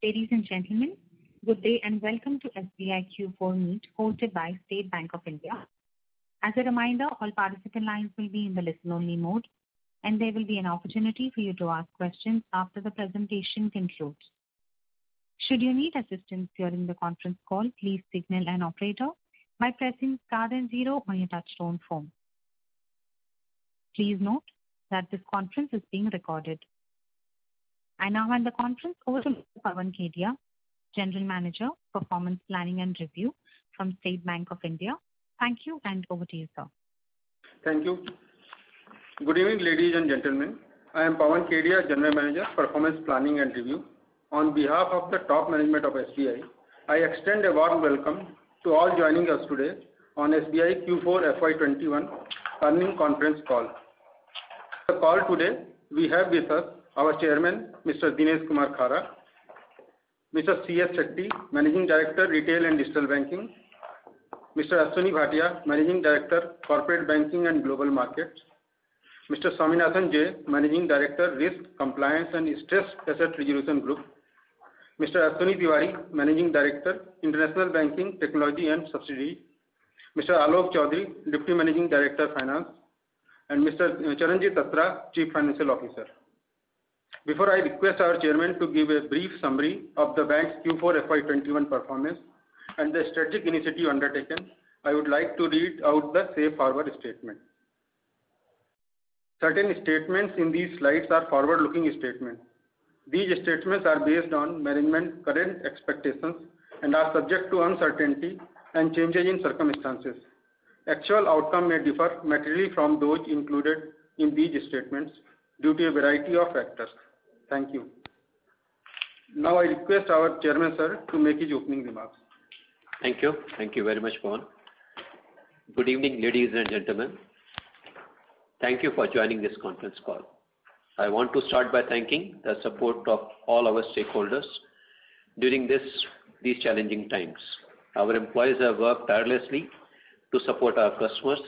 Ladies and gentlemen, good day and welcome to SBI Q4 Meet hosted by State Bank of India. As a reminder, all participant lines will be in the listen-only mode, and there will be an opportunity for you to ask questions after the presentation concludes. Should you need assistance during the conference call, please signal an operator by pressing star and zero on your touchtone phone. Please note that this conference is being recorded. I now hand the conference over to Pawan Kedia, General Manager, Performance Planning and Review from State Bank of India. Thank you, and over to you, sir. Thank you. Good evening, ladies and gentlemen. I am Pawan Kedia, General Manager, Performance Planning and Review. On behalf of the top management of SBI, I extend a warm welcome to all joining us today on SBI Q4 FY 2021 earnings conference call. On the call today, we have with us our Chairman, Mr. Dinesh Kumar Khara; Mr. C.S. Setty, Managing Director, Retail and Digital Banking; Mr. Ashwani Bhatia, Managing Director, Corporate Banking and Global Markets; Mr. Swaminathan J, Managing Director, Risk, Compliance and Stressed Assets Resolution Group; Mr. Ashwini Tewari, Managing Director, International Banking, Technology and Subsidiaries; Mr. Alok Choudhary, Deputy Managing Director, Finance; and Mr. Charanjit Attra, Chief Financial Officer. Before I request our chairman to give a brief summary of the bank's Q4 FY 2021 performance and the strategic initiatives undertaken, I would like to read out the safe harbor statement. Certain statements in these slides are forward-looking statements. These statements are based on management's current expectations and are subject to uncertainty and changing in circumstances. Actual outcome may differ materially from those included in these statements due to a variety of factors. Thank you. Now I request our Chairman, sir, to make his opening remarks. Thank you. Thank you very much, Pawan. Good evening, ladies and gentlemen. Thank you for joining this conference call. I want to start by thanking the support of all our stakeholders during these challenging times. Our employees have worked tirelessly to support our customers.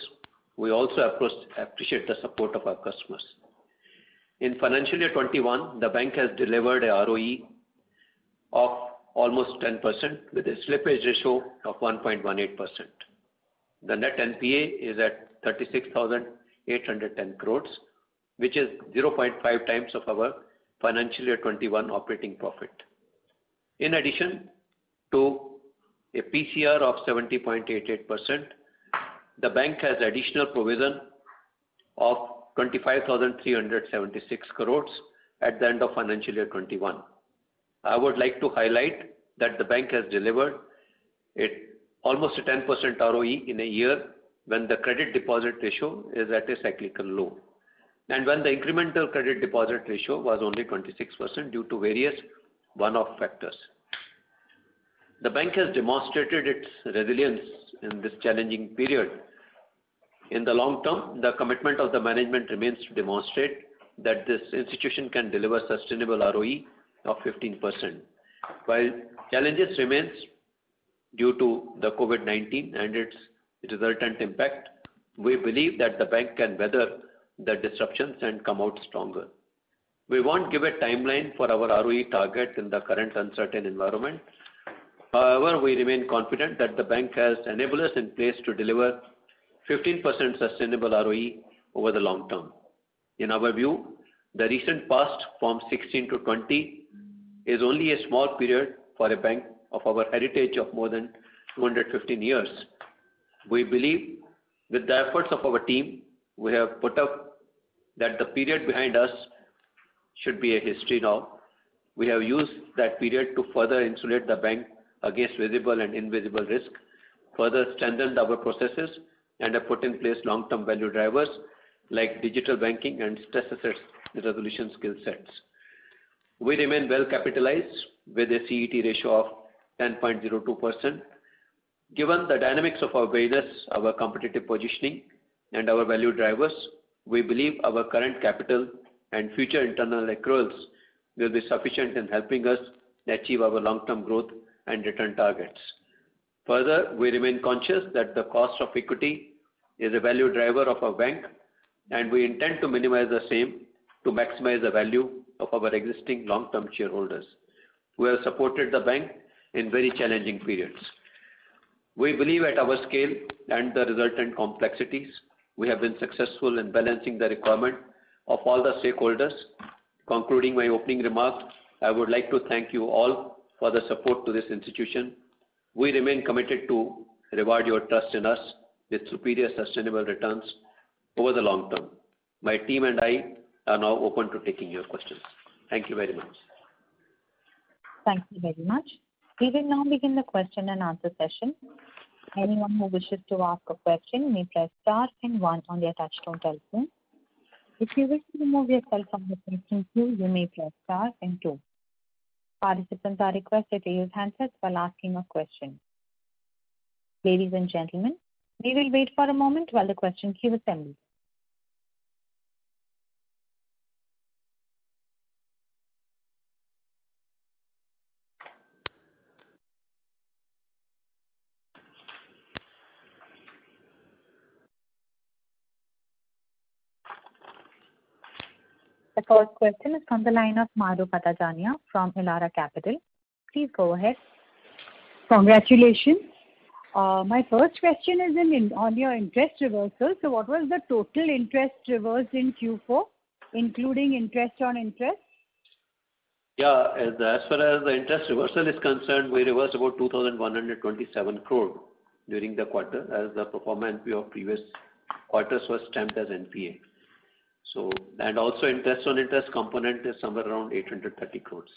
We also, of course, appreciate the support of our customers. In financial year 2021, the bank has delivered an ROE of almost 10%, with a slippage ratio of 1.18%. The net NPA is at 36,810 crores, which is 0.5x of our financial year 2021 operating profit. In addition to a PCR of 70.88%, the bank has additional provision of 25,376 crores at the end of financial year 2021. I would like to highlight that the bank has delivered almost a 10% ROE in a year when the credit deposit ratio is at a cyclical low and when the incremental credit deposit ratio was only 26% due to various one-off factors. The bank has demonstrated its resilience in this challenging period. In the long term, the commitment of the management remains to demonstrate that this institution can deliver sustainable ROE of 15%. While challenges remain due to the COVID-19 and its resultant impact, we believe that the bank can weather the disruptions and come out stronger. We won't give a timeline for our ROE target in the current uncertain environment. However, we remain confident that the bank has enablers in place to deliver 15% sustainable ROE over the long term. In our view, the recent past from 2016 to 2020 is only a small period for a bank of our heritage of more than 215 years. We believe with the efforts of our team, we have put up that the period behind us should be a history now. We have used that period to further insulate the bank against visible and invisible risk, further strengthen our processes, and have put in place long-term value drivers like digital banking and stressed assets resolution skill sets. We remain well-capitalized with a CET ratio of 10.02%. Given the dynamics of our business, our competitive positioning, and our value drivers, we believe our current capital and future internal accruals will be sufficient in helping us achieve our long-term growth and return targets. We remain conscious that the cost of equity is a value driver of our bank, and we intend to minimize the same to maximize the value of our existing long-term shareholders who have supported the bank in very challenging periods. We believe at our scale and the resultant complexities, we have been successful in balancing the requirement of all the stakeholders. Concluding my opening remarks, I would like to thank you all for the support to this institution. We remain committed to reward your trust in us with superior sustainable returns over the long term. My team and I are now open to taking your questions. Thank you very much. Thank you very much. We will now begin the question-and-answer session. Anyone who wishes to ask a question may press star and one on your touchtone telephone. If you wish to remove yourself from the listening queue, you may press star and two. Participants are requested to use handset while asking a question. Ladies and gentlemen, we will wait for a moment while the questions queue is ending. The first question is from the line of Mahrukh Adajania from Elara Capital. Please go ahead. Congratulations. My first question is on your interest reversal. What was the total interest reversed in Q4, including interest on interest? Yeah. As far as the interest reversal is concerned, we reversed about 2,127 crore during the quarter as the performance of previous quarters was stamped as NPA. Also interest on interest component is somewhere around 830 crores.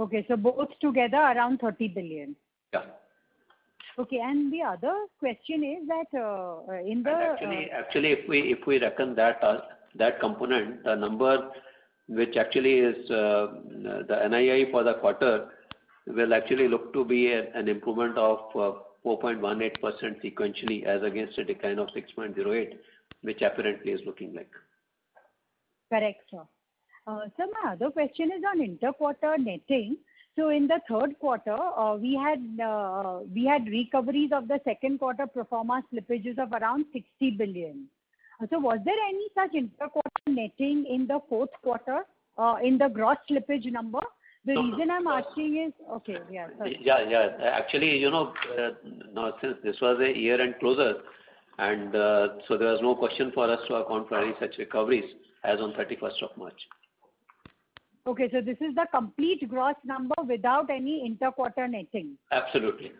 Okay. Both together around 30 billion. Yeah. Okay. The other question is that. Actually, if we reckon that component, the number which actually is the NII for the quarter will actually look to be an improvement of 4.18% sequentially as against a decline of 6.08%. Which apparently is looking like that. Correct, sir. Sir, my other question is on inter quarter netting. In the third quarter, we had recoveries of the second quarter proforma slippages of around 60 billion. Was there any such inter quarter netting in the fourth quarter in the gross slippage number? The reason I'm asking is, okay, yeah. Yeah. Actually, since this was a year-end closure, there was no question for us to account for any such recoveries as on March 31st. Okay. This is the complete gross number without any inter quarter netting. Absolutely.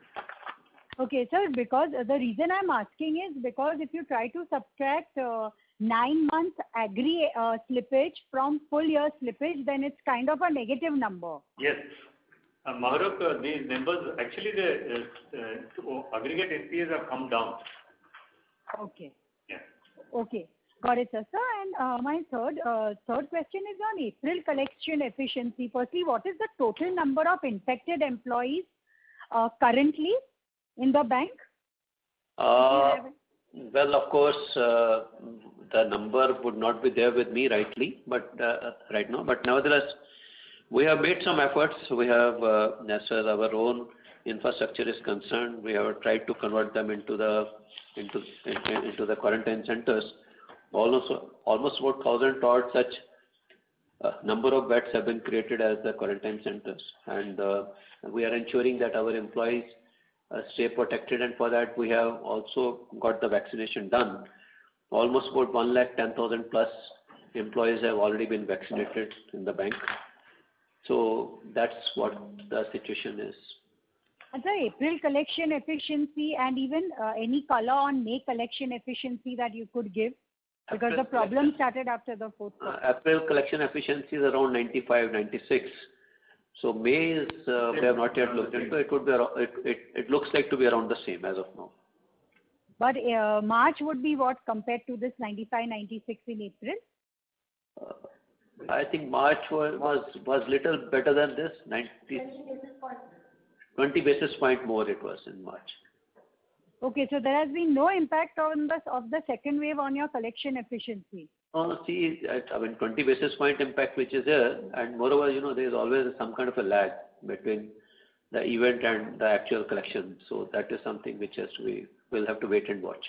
Okay. Sir, the reason I'm asking is because if you try to subtract nine months agri slippage from full year slippage, then it's kind of a negative number. Yes. Mahrukh, these numbers, actually the aggregate NPAs have come down. Okay. Yeah. Okay. Got it, sir. Sir, my third question is on April collection efficiency. Firstly, what is the total number of infected employees currently in the bank? Do you have it? Well, of course, the number would not be there with me rightly right now. Nevertheless, we have made some efforts. As our own infrastructure is concerned, we have tried to convert them into the quarantine centers. Almost about 1,000 such beds have been created as the quarantine centers. We are ensuring that our employees stay protected, and for that we have also got the vaccination done. Almost about 110,000 plus employees have already been vaccinated in the bank. That's what the situation is. Sir, April collection efficiency and even any color on May collection efficiency that you could give because the problem started after the fourth. April collection efficiency is around 95%, 96%. May is, we have not yet looked into it. It looks like to be around the same as of now. March would be what compared to this 95%, 96% in April? I think March was little better than this. 20 basis point, sir. 20 basis point more it was in March. Okay. There has been no impact of the second wave on your collection efficiency. See, I mean, 20 basis point impact, which is there. Moreover, there's always some kind of a lag between the event and the actual collection. That is something which we'll have to wait and watch.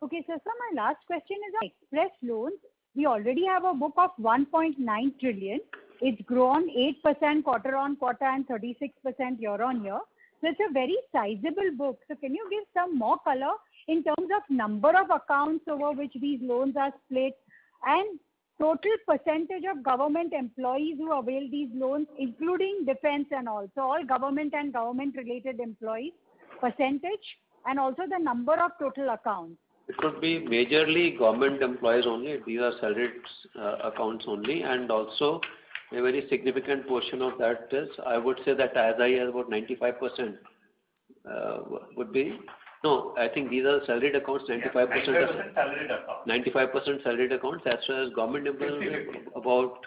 Sir, my last question is on Xpress Loan. We already have a book of 1.9 trillion. It has grown 8% quarter-on-quarter and 36% year-on-year. It is a very sizable book. Can you give some more color in terms of number of accounts over which these loans are split and total percentage of government employees who avail these loans, including defense and all? All government and government-related employees' percentage and also the number of total accounts. It could be majorly government employees only. These are salaried accounts only. Also, a very significant portion of that is, I would say that as high as about 95% would be. No, I think these are salaried accounts, 95%. Yes, 95% salaried accounts. 95% salaried accounts. As far as government employees. 50/50. About,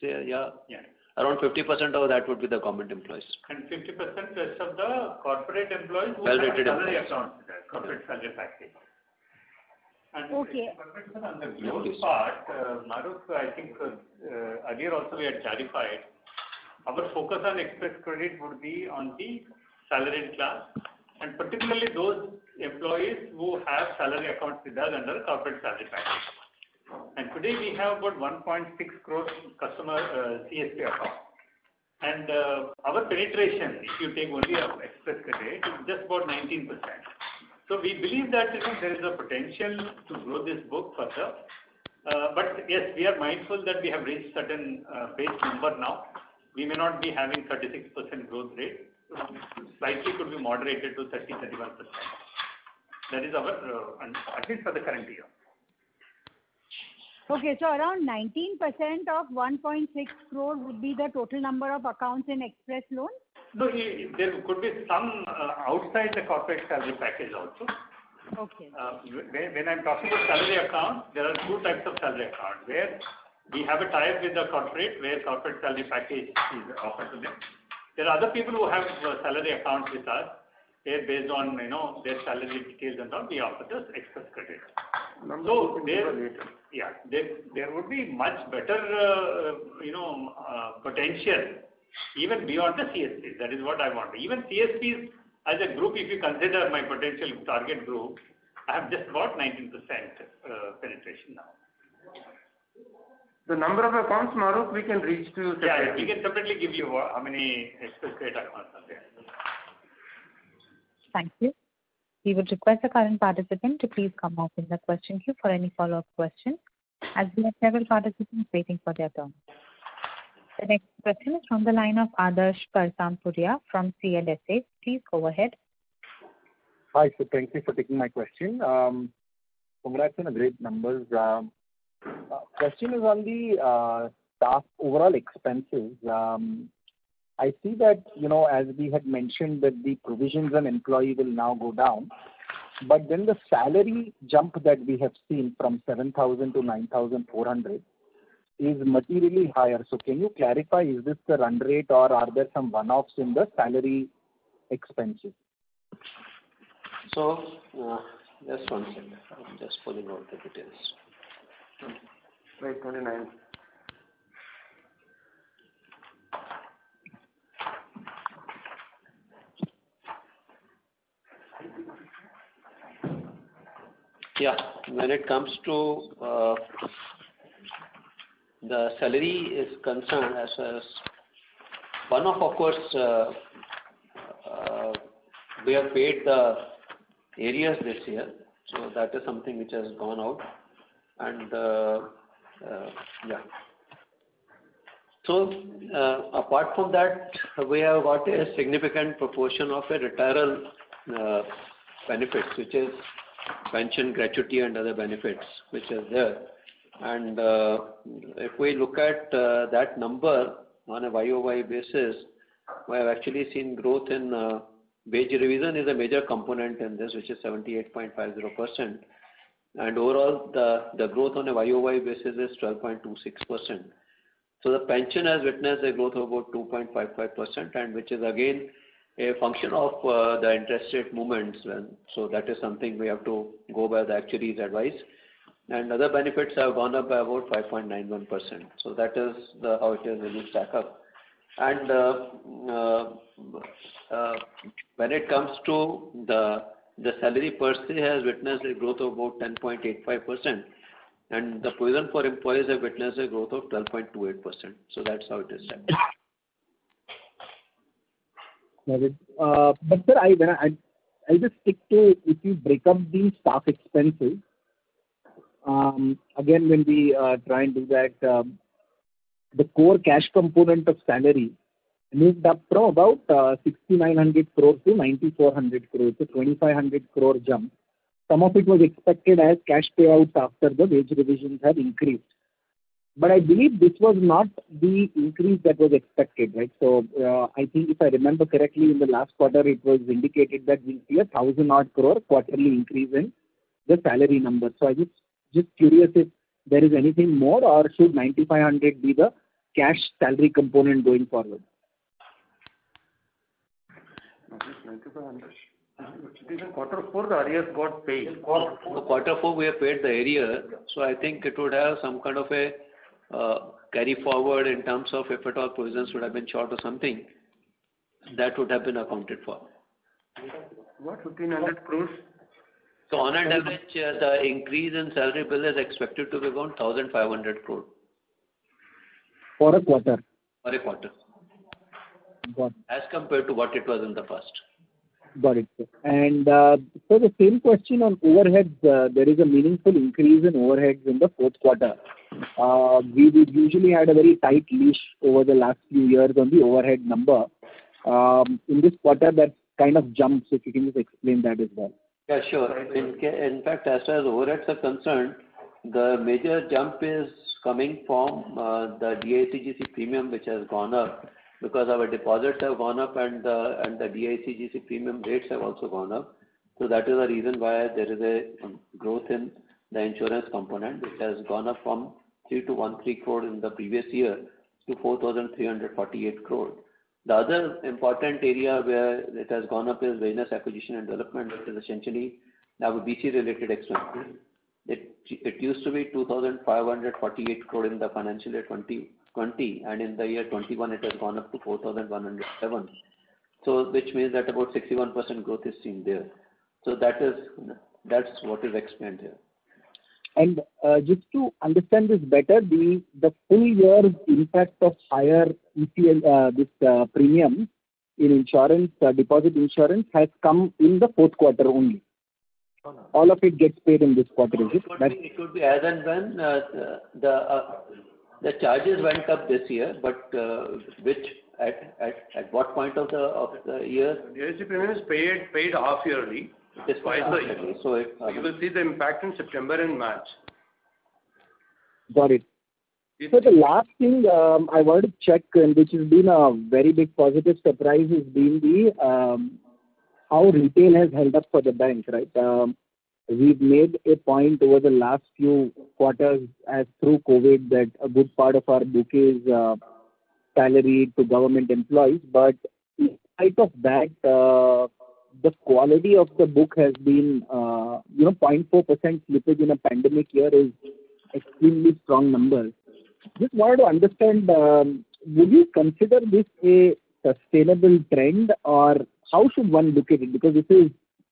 say, yeah. Yeah. Around 50% of that would be the government employees. 50% rest of the corporate employees. Salaried employees Who have salary accounts with us, corporate salary package. Okay. 50% on the growth part, Mahrukh, I think earlier also we had clarified, our focus on Xpress Credit would be on the salaried class and particularly those employees who have salary accounts with us under corporate salary package. Today we have about 1.6 crores customer CSP account. Our penetration, if you take only of Xpress Credit, is just about 19%. We believe that there is a potential to grow this book further. Yes, we are mindful that we have reached certain base number now. We may not be having 36% growth rate. Slightly could be moderated to 30%-31% at least for the current year. Okay. around 19% of 1.6 crore would be the total number of accounts in Xpress Credit? No, there could be some outside the corporate salary package also. Okay. When I'm talking of salary account, there are two types of salary account. Where we have a tie-up with the corporate, where corporate salary package is offered to them. There are other people who have salary accounts with us, where based on their salary details and all, we offer this Xpress Credit. Number could be related. Yeah. There would be much better potential. Even beyond the CSPs, that is what I want. Even CSPs as a group, if you consider my potential target group, I've just got 19% penetration now. The number of accounts we can reach through technology. Yeah, I can certainly give you how many expected accounts are there. Thank you. We would request the current participant to please come up with a question queue for any follow-up question as we have several participants waiting for their turn. The next question is from the line of Adarsh Parasrampuria from CLSA. Please go ahead. Hi, sir. Thank you for taking my question. Congratulations on the great numbers. Question is on the staff overall expenses. I see that, as we had mentioned that the provisions on employee will now go down, but then the salary jump that we have seen from 7,000-9,400 is materially higher. Can you clarify, is this the run rate or are there some one-offs in the salary expenses? Just one second. I'm just pulling out the details. Slide 29. When it comes to the salary is concerned, of course, we have paid the arrears this year, so that is something which has gone out. Apart from that, we have got a significant proportion of the retirement benefits, which is pension, gratuity, and other benefits, which is there. If we look at that number on a year-over-year basis, we have actually seen growth in wage revision is a major component in this, which is 78.50%. Overall, the growth on a year-over-year basis is 12.26%. The pension has witnessed a growth of about 2.55%, and which is again a function of the interest rate movements. That is something we have to go by the actuaries' advice. Other benefits have gone up by about 5.91%. That is how it has really stack up. When it comes to the salary per se has witnessed a growth of about 10.85%, and the provision for employees have witnessed a growth of 12.28%. That's how it is done. Got it. Sir, I just stick to if you break up the staff expenses, again, when we try and do that the core cash component of salary moved up from about 6,900 crore-9,400 crore, so 2,500 crore jump. Some of it was expected as cash payouts after the wage revisions had increased. I believe this was not the increase that was expected. I think if I remember correctly, in the last quarter, it was indicated that we see 1,000 odd crore quarterly increase in the salary number. I am just curious if there is anything more or should 9,500 be the cash salary component going forward? In quarter four, arrears got paid. Quarter four, we have paid the arrears, so I think it would have some kind of a carry forward in terms of if at all provisions would have been short or something, that would have been accounted for. About 1,500 crores. On an average, the increase in salary bill is expected to be around 1,500 crore. For a quarter? For a quarter. Got it. As compared to what it was in the past. Got it, sir. Sir, the same question on overheads. There is a meaningful increase in overheads in the fourth quarter. We usually had a very tight leash over the last few years on the overhead number. In this quarter, that kind of jumped. If you can just explain that as well. Sure. In fact, as far as overheads are concerned, the major jump is coming from the DICGC premium, which has gone up because our deposits have gone up and the DICGC premium rates have also gone up. That is the reason why there is a growth in the insurance component, which has gone up from 3 crore-13 crore in the previous year to 4,348 crore. The other important area where it has gone up is various acquisition and development, which is essentially our BC-related exposure. It used to be 2,548 crore in the financial year 2020, and in the year 2021, it has gone up to 4,107 crore. Which means that about 61% growth is seen there. That's what is expend here. Just to understand this better, the full year impact of higher premium in deposit insurance has come in the fourth quarter only? Yes. All of it gets paid in this quarter. Is it? It would be as and when the charges went up this year. At what point of the year? DIC premium is paid half yearly. It's paid half yearly. You will see the impact in September and March. Got it. Sir, the last thing I want to check, which has been a very big positive surprise, has been how retail has helped us for the bank, right? We've made a point over the last few quarters through COVID that a good part of our book is salaried to government employees. The quality of the book has been. 0.4% slippage in a pandemic year is extremely strong numbers. Just wanted to understand, would you consider this a sustainable trend, or how should one look at it? Because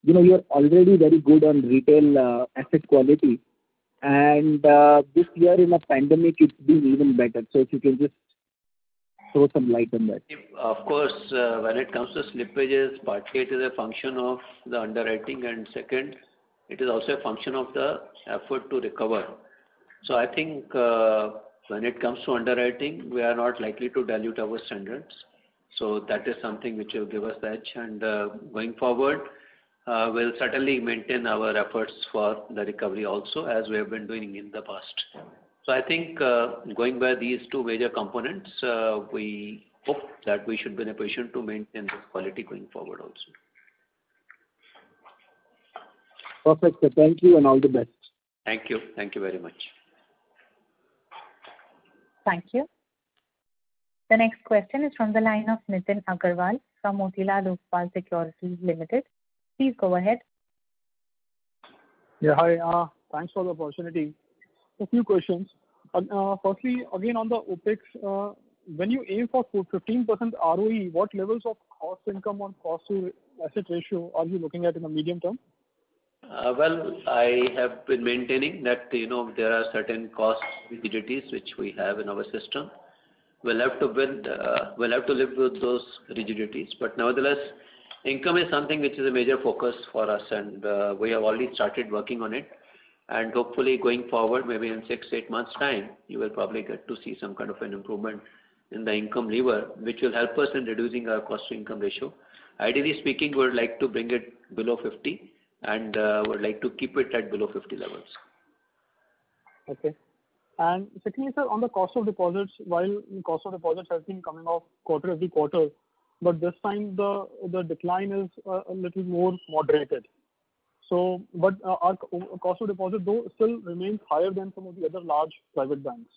you're already very good on retail asset quality, and this year in a pandemic, it's been even better. If you can just throw some light on that. When it comes to slippages, firstly, it is a function of the underwriting, and second, it is also a function of the effort to recover. I think when it comes to underwriting, we are not likely to dilute our standards. That is something which will give us edge and going forward, we'll certainly maintain our efforts for the recovery also, as we have been doing in the past. I think, going by these two major components, we hope that we should be in a position to maintain this quality going forward also. Perfect, sir. Thank you and all the best. Thank you. Thank you very much. Thank you. The next question is from the line of Nitin Aggarwal from Motilal Oswal Securities Limited. Please go ahead. Yeah. Hi. Thanks for the opportunity. A few questions. Again, on the OpEx, when you aim for 15% ROE, what levels of cost income on cost to asset ratio are you looking at in the medium term? Well, I have been maintaining that there are certain cost rigidities which we have in our system. We'll have to live with those rigidities. Nevertheless, income is something which is a major focus for us, and we have already started working on it. Hopefully, going forward, maybe in six, eight months' time, you will probably get to see some kind of an improvement in the income lever, which will help us in reducing our cost-to-income ratio. Ideally speaking, we would like to bring it below 50% and would like to keep it at below 50% levels. Okay. Secondly, sir, on the cost of deposits, while cost of deposits has been coming off quarter every quarter, but this time the decline is a little more moderated. Our cost of deposit though, still remains higher than some of the other large private banks.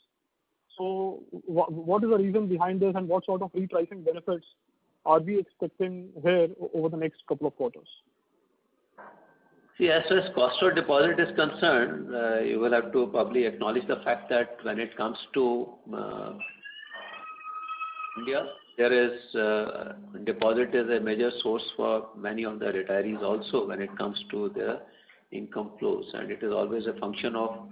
What is the reason behind this, and what sort of rate rising benefits are we expecting here over the next couple of quarters? As far as cost of deposit is concerned, you will have to probably acknowledge the fact that when it comes to India, deposit is a major source for many of the retirees also when it comes to their income flows, and it is always a function of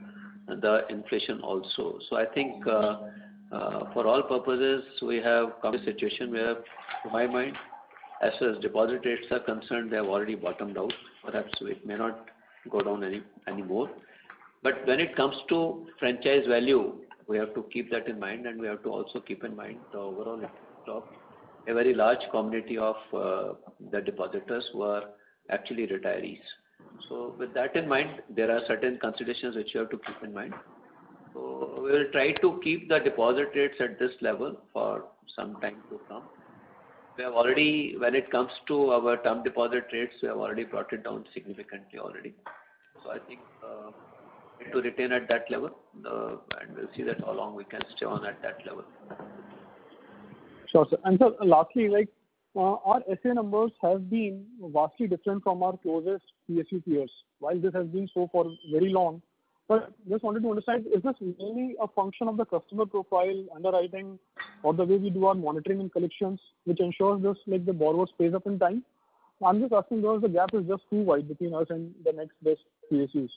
the inflation also. I think, for all purposes, we have come to a situation where, to my mind, as far as deposit rates are concerned, they have already bottomed out. Perhaps it may not go down anymore. When it comes to franchise value, we have to keep that in mind, and we have to also keep in mind the overall a very large community of the depositors who are actually retirees. With that in mind, there are certain considerations which you have to keep in mind. We'll try to keep the deposit rates at this level for some time to come. When it comes to our term deposit rates, we have already brought it down significantly already. I think, to retain at that level, and we'll see that how long we can stay on at that level. Sure, sir. Sir, lastly, our SA numbers have been vastly different from our closest PSU peers. While this has been so for very long, but just wanted to understand, is this only a function of the customer profile underwriting or the way we do our monitoring and collections, which ensures this, like the borrowers pays up on time? I am just asking because the gap is just too wide between us and the next best PSUs.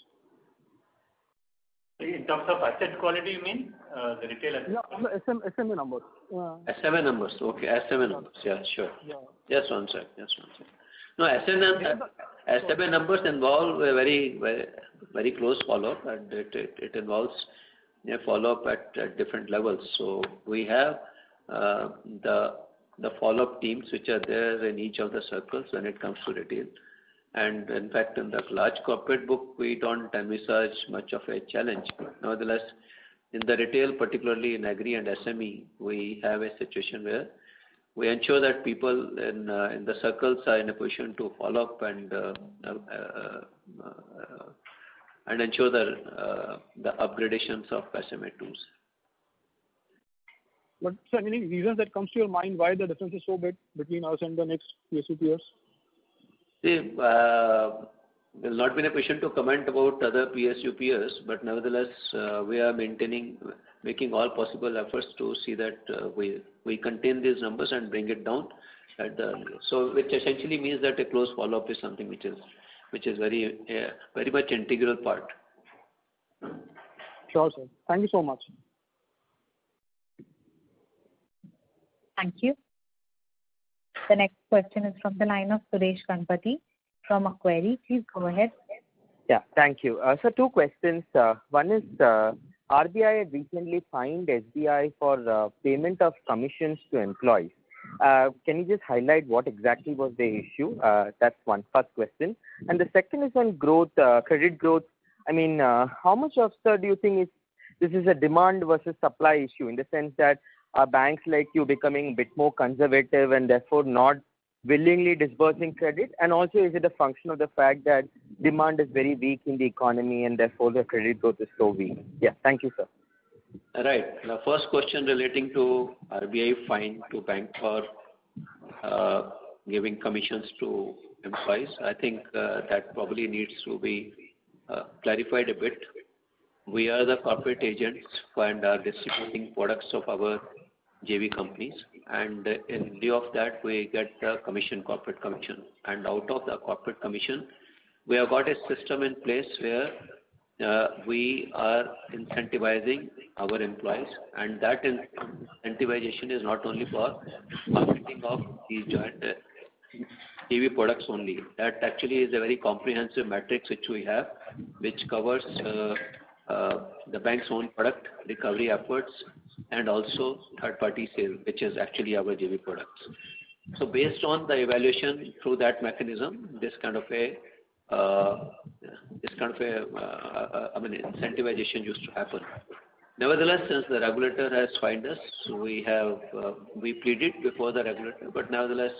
In terms of asset quality, you mean? The retail asset quality? No, SME numbers. SME numbers. Okay, SME numbers. Yeah, sure. Yeah. SME numbers involve a very close follow-up, and it involves a follow-up at different levels. We have the follow-up teams which are there in each of the circles when it comes to retail. In fact, in the large corporate book, we don't emphasize much of a challenge. Nevertheless, in the retail, particularly in Agri and SME, we have a situation where we ensure that people in the circles are in a position to follow up and ensure the upgradations of SME tools. Sir, any reason that comes to your mind why the difference is so big between us and the next PSU peers? Will not be in a position to comment about other PSU peers, nevertheless, we are making all possible efforts to see that we contain these numbers and bring it down. Which essentially means that a close follow-up is something which is a very much integral part. Sure, sir. Thank you so much. Thank you. The next question is from the line of Suresh Ganapathy from Macquarie. Please go ahead. Thank you. Sir, two questions. One is, RBI had recently fined SBI for payment of commissions to employees. Can you just highlight what exactly was the issue? That's one first question. The second is on credit growth. How much of, sir, do you think this is a demand versus supply issue in the sense that banks like you becoming a bit more conservative and therefore not willingly disbursing credit? Also, is it a function of the fact that demand is very weak in the economy and therefore the credit growth is so weak? Thank you, sir. Right. The first question relating to RBI fine to bank for giving commissions to employees. I think that probably needs to be clarified a bit. We are the corporate agents who find our distributing products of our JV companies, and in lieu of that, we get a corporate commission. Out of the corporate commission, we have got a system in place where we are incentivizing our employees. That incentivization is not only for marketing of each and JV products only. That actually is a very comprehensive matrix which we have, which covers the bank's own product recovery efforts and also third-party sales, which is actually our JV products. Based on the evaluation through that mechanism, this kind of an incentivization used to happen. Nevertheless, since the regulator has fined us, we pleaded before the regulator, but nevertheless,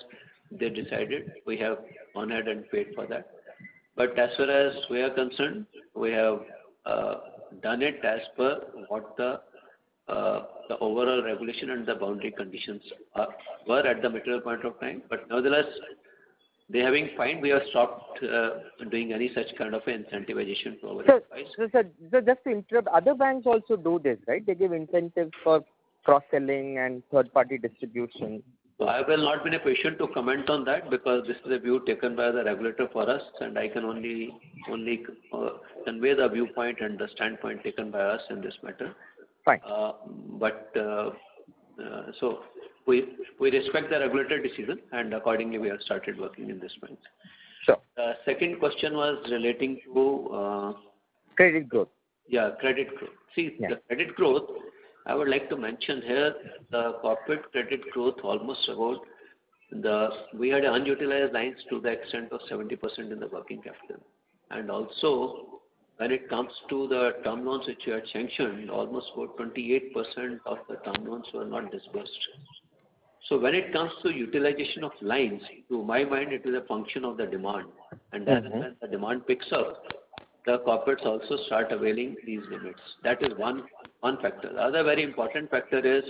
they decided we have honored and paid for that. As far as we are concerned, we have done it as per what the overall regulation and the boundary conditions were at the material point of time. Nevertheless, they having fined, we have stopped doing any such kind of incentivization for our employees. Sir, just to interrupt, other banks also do this, right? They give incentives for cross-selling and third-party distribution. I will not be in a position to comment on that because this is a view taken by the regulator for us, and I can only convey the viewpoint and the standpoint taken by us in this matter. Fine. We respect the regulator decision, and accordingly we have started working in this manner. Sure. The second question was relating to. Credit growth. Yeah, credit growth. See, the credit growth, I would like to mention here, the corporate credit growth almost about we had unutilized lines to the extent of 70% in the working capital. When it comes to the term loans which you have mentioned, almost about 28% of the term loans were not dispersed. When it comes to utilization of lines, to my mind, it is a function of the demand. As the demand picks up, the corporates also start availing these limits. That is one factor. The other very important factor is,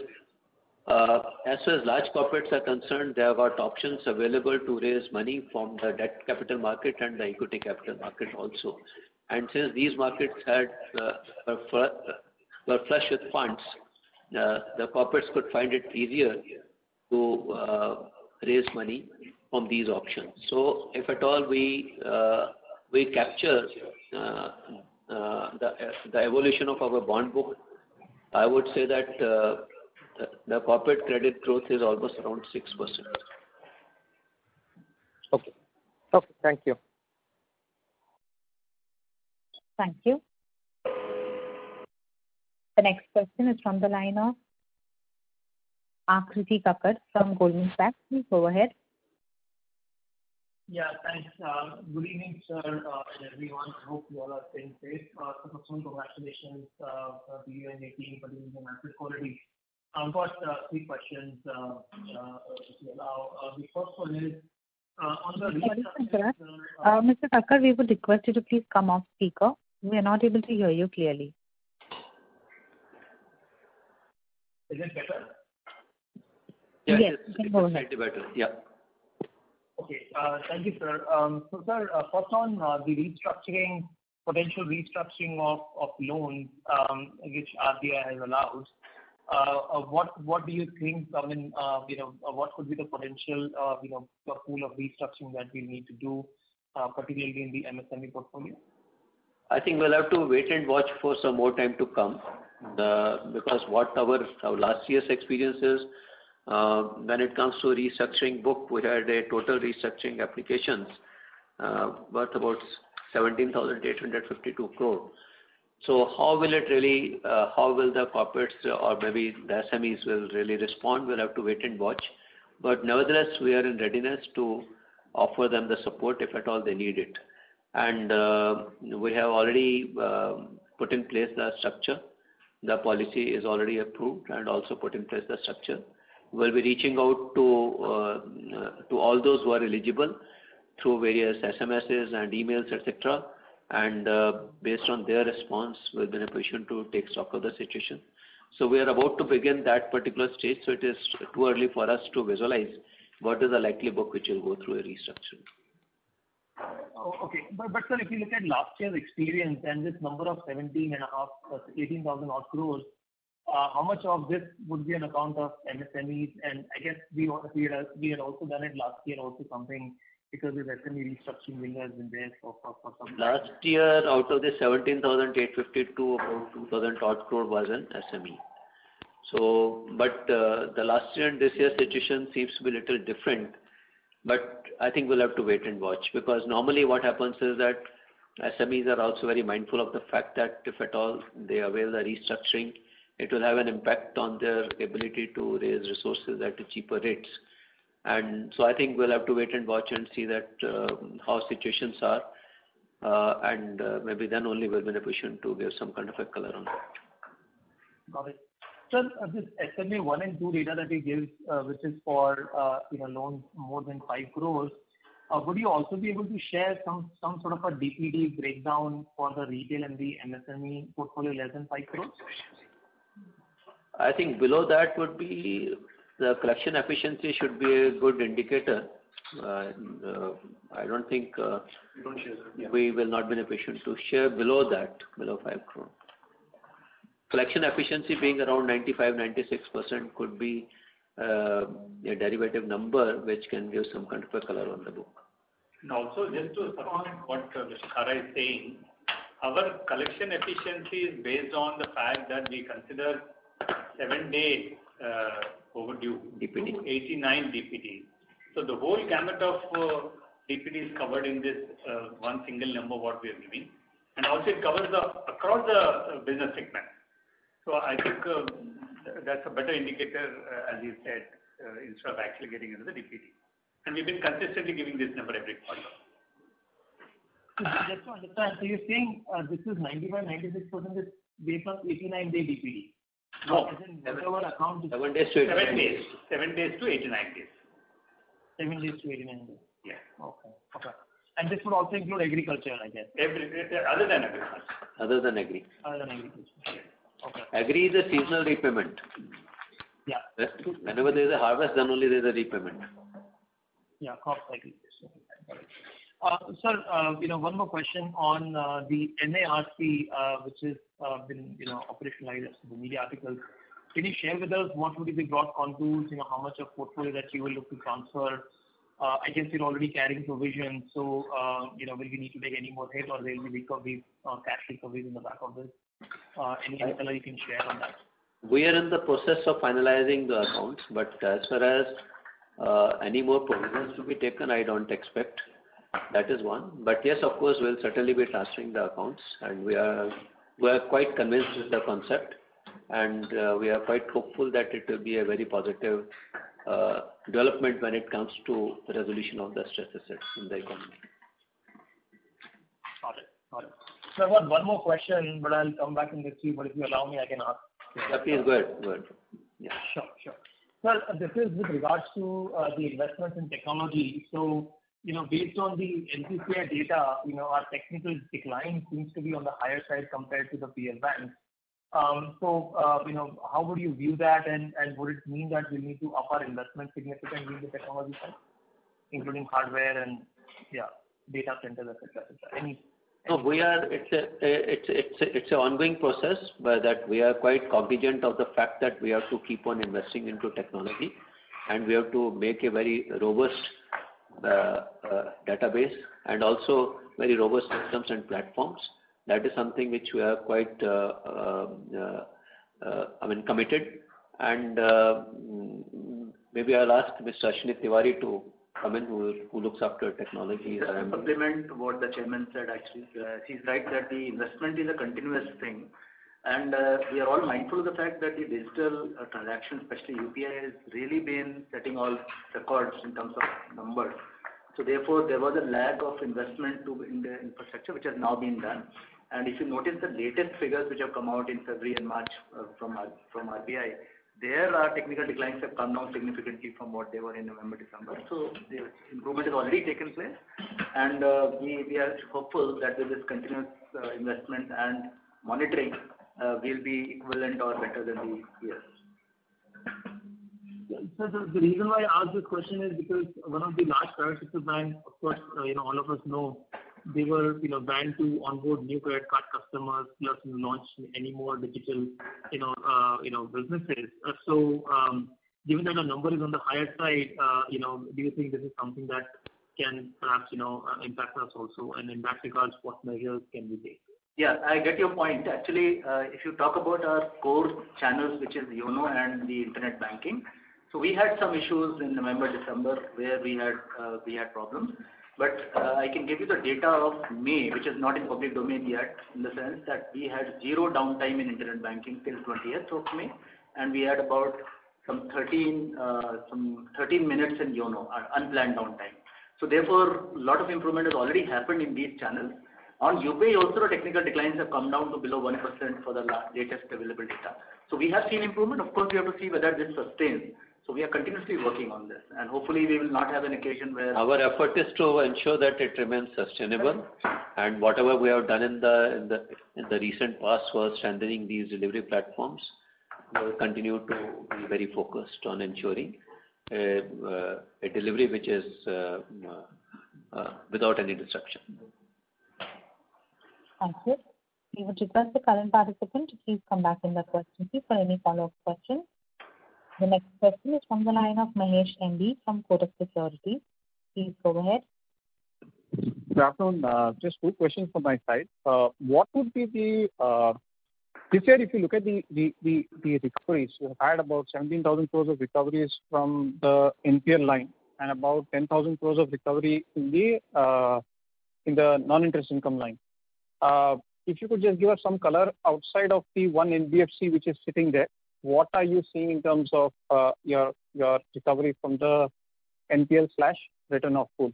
as far as large corporates are concerned, they have got options available to raise money from the debt capital market and the equity capital market also. Since these markets were flush with funds the corporates could find it easier to raise money from these options. If at all we capture the evolution of our bond book, I would say that the corporate credit growth is almost around 6%. Okay. Thank you. Thank you. The next question is from the line of [Akriti Kapoor] from Goldman Sachs. Please go ahead. Yeah, thanks. Good evening, sir and everyone. Hope you all are doing great. A couple of questions regarding the earnings announced already. I've got three questions. The first one is on the. [Mr. Kapoor], we would request you to please come on speaker. We are not able to hear you clearly. Is it better? Yes. You can go ahead. Yeah. Okay. Thank you, sir. Sir, first on the potential restructuring of loans which RBI has allowed. What could be the potential pool of restructuring that we need to do, particularly in the MSME portfolio? I think we'll have to wait and watch for some more time to come. What our last years' experience is, when it comes to restructuring book, we had a total restructuring applications worth about 17,852 crore. How will the corporates or maybe the SMEs will really respond, we'll have to wait and watch. Nevertheless, we are in readiness to offer them the support if at all they need it. We have already put in place that structure. The policy is already approved and also put in place that structure. We'll be reaching out to all those who are eligible through various SMSs and emails, et cetera. Based on their response, we'll be in a position to take stock of the situation. We are about to begin that particular stage, so it is too early for us to visualize what is the likely book which will go through a restructuring. Okay. Sir, if you look at last years' experience and this number of 17,500 crores, 18,000 odd crores, how much of this would be on account of MSMEs? I guess we had also done it last year also something. Last year out of the 17,852 crores, about 2,000 odd crore was an SME. The last year and this year situation seems to be a little different, but I think we'll have to wait and watch because normally what happens is that SMEs are also very mindful of the fact that if at all they avail the restructuring, it will have an impact on their ability to raise resources at cheaper rates. I think we'll have to wait and watch and see how situations are, and maybe then only we'll be in a position to give some kind of a color on that. Got it. Sir, this SMA-1 and SMA-2 data that we give which is for loans more than 5 crores, would you also be able to share some sort of a DPD breakdown for the retail and the MSME portfolio less than 5 crores? I think below that the collection efficiency should be a good indicator. You don't share that. Yeah. We will not be in a position to share below that, below 5 crore. Collection efficiency being around 95%-96% could be a derivative number which can give some kind of a color on the book. Also just to supplement what Mr. Khara is saying, our collection efficiency is based on the fact that we consider seven-day overdue. DPD To 89-DPD. The whole gamut of DPD is covered in this one single number what we are giving. Also it covers across the business segment. I think that's a better indicator, as you said, instead of actually getting into the DPD. We've been consistently giving this number every quarter. Just to understand, you're saying this is 95%, 96% is based on 89-day DPD? No. As in whatever account is. 7 days-89 days. Seven days to 89 days. Seven days to 89 days. Yeah. Okay. This would also include agriculture, I guess. Other than agriculture. Other than agri. Other than agriculture. Okay. Agri is a seasonal repayment. Yeah. Whenever there's a harvest, then only there's a repayment. Yeah. Crops, I agree. Sir, one more question on the NARCL which has been operationalized as per the media articles. Can you share with us what would be the broad contours, how much of portfolio that you will look to transfer against you're already carrying provision. Will you need to make any more hit or there'll be cash recoveries in the back of this? Any color you can share on that. We are in the process of finalizing the accounts, but as far as any more provisions to be taken, I don't expect. That is one. Yes, of course, we'll certainly be transferring the accounts, and we are quite convinced with the concept and we are quite hopeful that it will be a very positive development when it comes to the resolution of the stressed assets in the economy. Got it. Sir, one more question, but I'll come back in the queue, but if you allow me, I can ask. That is good. Yeah. Sure. Sir, this is with regards to the investment in technology. Based on the NPCI data, our technical decline seems to be on the higher side compared to the peer banks. How would you view that and would it mean that we need to up our investment significantly in the technology side, including hardware and data centers, et cetera? It's a ongoing process. We are quite cognizant of the fact that we have to keep on investing into technology and we have to make a very robust database and also very robust systems and platforms. That is something which we are quite committed and maybe I'll ask Mr. Ashwini Tewari to come in who looks after technology. To supplement what the Chairman said. He's right that the investment is a continuous thing and we are all mindful of the fact that the digital transaction, especially UPI has really been setting all records in terms of numbers. Therefore, there was a lag of investment in the infrastructure, which has now been done. If you notice the latest figures which have come out in February and March from RBI, their technical declines have come down significantly from what they were in November, December. The improvement has already taken place and we are hopeful that with this continuous investment and monitoring, we'll be equivalent or better than the peers. Sir, the reason why I ask this question is because one of the large private sector banks, of course, all of us know they were banned to onboard new credit card customers plus launch any more digital businesses. Given that our number is on the higher side, do you think this is something that can perhaps impact us also and impact because what measures can we take? Yeah, I get your point. Actually, if you talk about our core channels, which is YONO and the internet banking. We had some issues in November, December where we had problems, but I can give you the data of May, which is not in public domain yet in the sense that we had zero downtime in internet banking till May 20th, and we had about some 13-minutes in YONO, unplanned downtime. Therefore, lot of improvement has already happened in these channels. On UPI also the technical declines have come down to below 1% for the latest available data. We have seen improvement. Of course, we have to see whether this sustains. We are continuously working on this and hopefully we will not have an occasion. Our effort is to ensure that it remains sustainable and whatever we have done in the recent past was strengthening these delivery platforms. We will continue to be very focused on ensuring a delivery which is without any disruption. Thank you. We would request the current participant to please come back in the queue for any follow-up questions. The next question is from the line of M.B. Mahesh from Kotak Securities. Please go ahead. Good afternoon. Just two questions from my side. This year if you look at the recoveries, you have had about 17,000 crores of recoveries from the NPL line and about 10,000 crores of recovery in the non-interest income line. If you could just give us some color outside of the one NBFC which is sitting there, what are you seeing in terms of your recovery from the NPL/return of pool?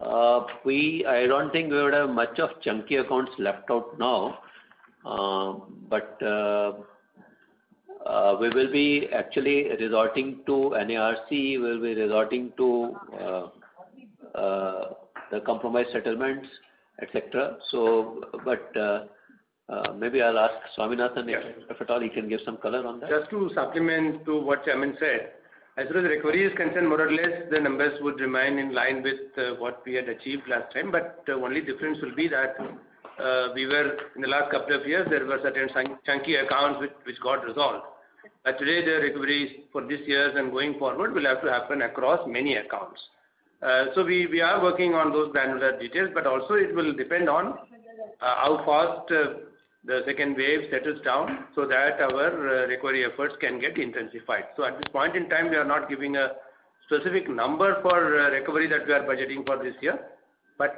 I don't think we would have much of chunky accounts left out now. We will be actually resorting to NARCL, we'll be resorting to the compromise settlements, et cetera. Maybe I'll ask Swaminathan. Yes. If at all he can give some color on that. Just to supplement to what Chairman said, as far as recovery is concerned, more or less, the numbers would remain in line with what we had achieved last time. Only difference will be that in the last couple of years, there were certain chunky accounts which got resolved. Today, the recoveries for this year and going forward will have to happen across many accounts. We are working on those granular details. Also, it will depend on how fast the second wave settles down so that our recovery efforts can get intensified. At this point in time, we are not giving a specific number for recovery that we are budgeting for this year.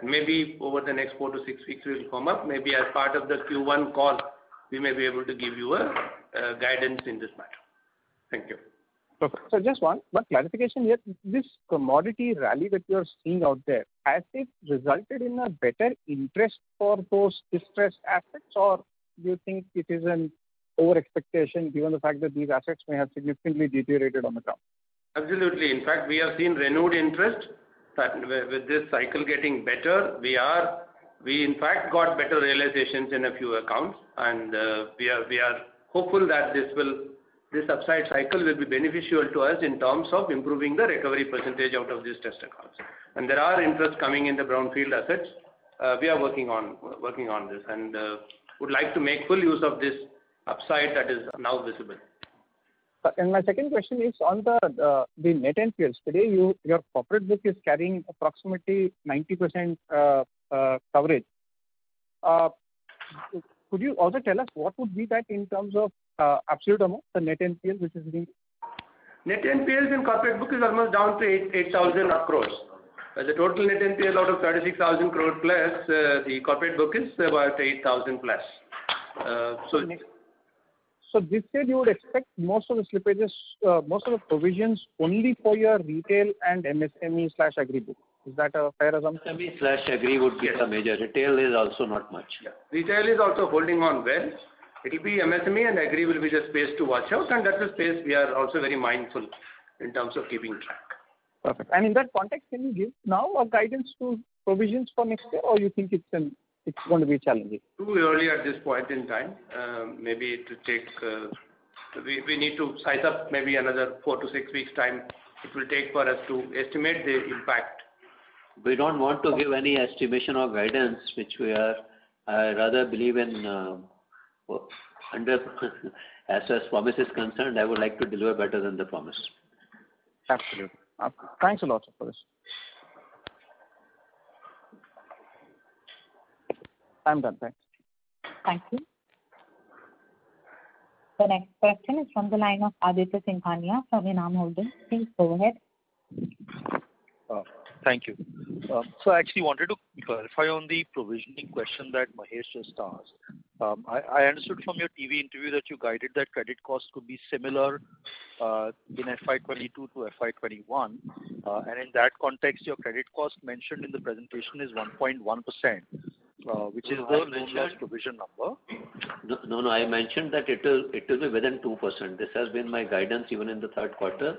Maybe over the next four to six weeks we will come up. Maybe as part of the Q1 call, we may be able to give you a guidance in this matter. Thank you. Perfect. Sir, just one clarification here. This commodity rally that you are seeing out there, has it resulted in a better interest for those distressed assets, or do you think it is an over expectation given the fact that these assets may have significantly deteriorated on the ground? Absolutely. In fact, we have seen renewed interest. With this cycle getting better, we in fact got better realizations in a few accounts, and we are hopeful that this upside cycle will be beneficial to us in terms of improving the recovery percentage out of these distressed accounts. There are interest coming in the brownfield assets. We are working on this and would like to make full use of this upside that is now visible. My second question is on the net NPLs. Today, your corporate book is carrying approximately 90% coverage. Could you also tell us what would be that in terms of absolute amount, the net NPL which is being. Net NPLs in corporate book is almost down to 8,000 crores. As a total net NPL out of 36,000 crore plus, the corporate book is about 8,000 plus. This year you would expect most of the slippages, most of the provisions only for your retail and MSME/Agri book. Is that a fair assumption? MSME/Agri would be the major. Retail is also not much. Yeah. Retail is also holding on well. It'll be MSME and Agri will be the space to watch out. That's the space we are also very mindful in terms of keeping track. Perfect. In that context, can you give now a guidance to provisions for next year, or you think it's going to be challenging? Too early at this point in time. We need to size up maybe another four to six weeks time it will take for us to estimate the impact. We don't want to give any estimation or guidance. As promise is concerned, I would like to deliver better than the promise. Absolutely. Thanks a lot, sir, for this. I'm done. Thanks. Thank you. The next question is from the line of Aditya Singhania from ENAM Holdings. Please go ahead. Thank you. I actually wanted to clarify on the provisioning question that Mahesh just asked. I understood from your TV interview that you guided that credit costs could be similar in FY 2022 to FY2021. In that context, your credit cost mentioned in the presentation is 1.1%, which is the loan loss provision number. No, I mentioned that it will be within 2%. This has been my guidance even in the third quarter.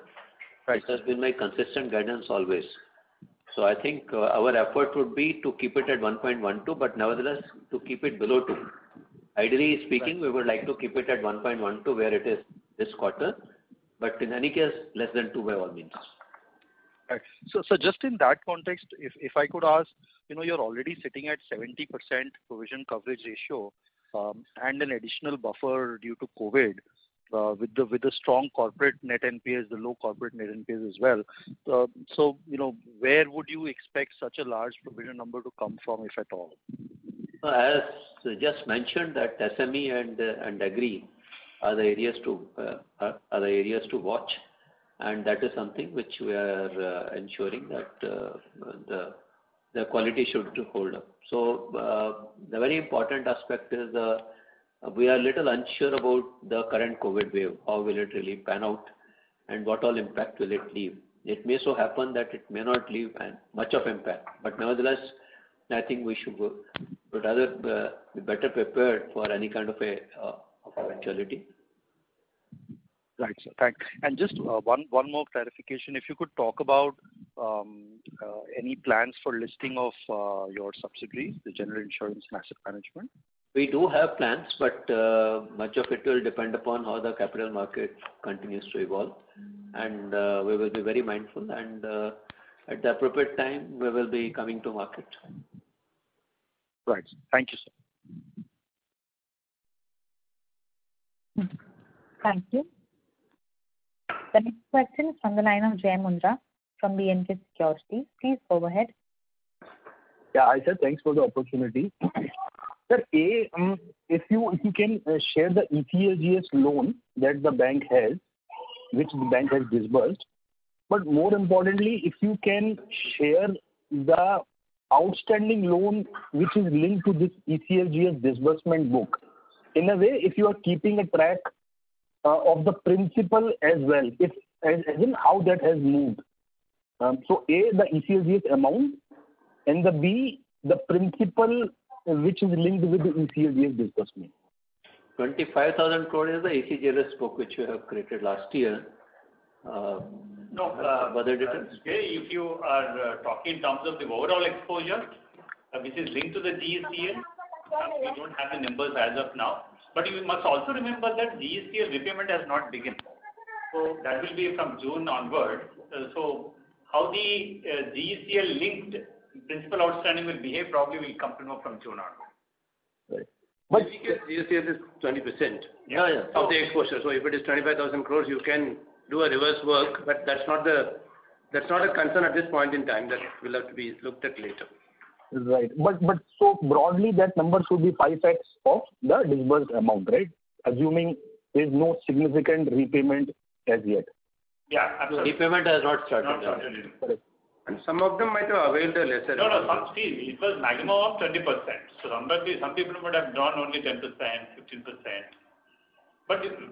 Right. This has been my consistent guidance always. I think our effort would be to keep it at 1.12%, but nevertheless, to keep it below 2%. Ideally speaking, we would like to keep it at 1.12% where it is this quarter, but in any case, less than 2% by all means. Right. Just in that context, if I could ask, you're already sitting at 70% provision coverage ratio, and an additional buffer due to COVID, with the strong corporate net NPLs, the low corporate net NPLs as well. Where would you expect such a large provision number to come from, if at all? As I just mentioned that SME and Agri are the areas to watch, and that is something which we are ensuring that the quality should hold up. The very important aspect is we are a little unsure about the current COVID wave, how will it really pan out, and what all impact will it leave. It may so happen that it may not leave much of impact. Nevertheless, I think we should rather be better prepared for any kind of a eventuality. Right, sir. Thanks. Just one more clarification. If you could talk about any plans for listing of your subsidiaries, the general insurance and asset management. We do have plans, but much of it will depend upon how the capital market continues to evolve. We will be very mindful and at the appropriate time, we will be coming to market. Right. Thank you, sir. Thank you. The next question is from the line of Jai Mundhra from B&K Securities. Please go ahead. Hi, sir. Thanks for the opportunity. Sir, A, if you can share the ECLGS loan that the bank has, which the bank has disbursed. More importantly, if you can share the outstanding loan which is linked to this ECLGS disbursement book. In a way, if you are keeping a track of the principal as well, how that has moved. A, the ECLGS amount and the B, the principal which is linked with the ECLGS disbursement. 25,000 crore is the ECLGS book which we have created last year. No. Was there a difference? If you are talking in terms of the overall exposure which is linked to the ECLGS, we don't have the numbers as of now. You must also remember that ECLGS repayment has not begun. That will be from June onward. How the ECLGS-linked principal outstanding will behave probably we'll come to know from June onward. Right. ECLGS is 20%. Yeah. Of the exposure. If it is 25,000 crores, you can do a reverse work, but that's not a concern at this point in time. That will have to be looked at later. Right. Broadly, that number should be five times of the disbursed amount, right? Assuming there's no significant repayment as yet. Yeah, absolutely. Repayment has not started. Not started yet. Some of them might have availed a lesser amount. No. It was maximum of 20%. Under the some people would have drawn only 10%, 15%.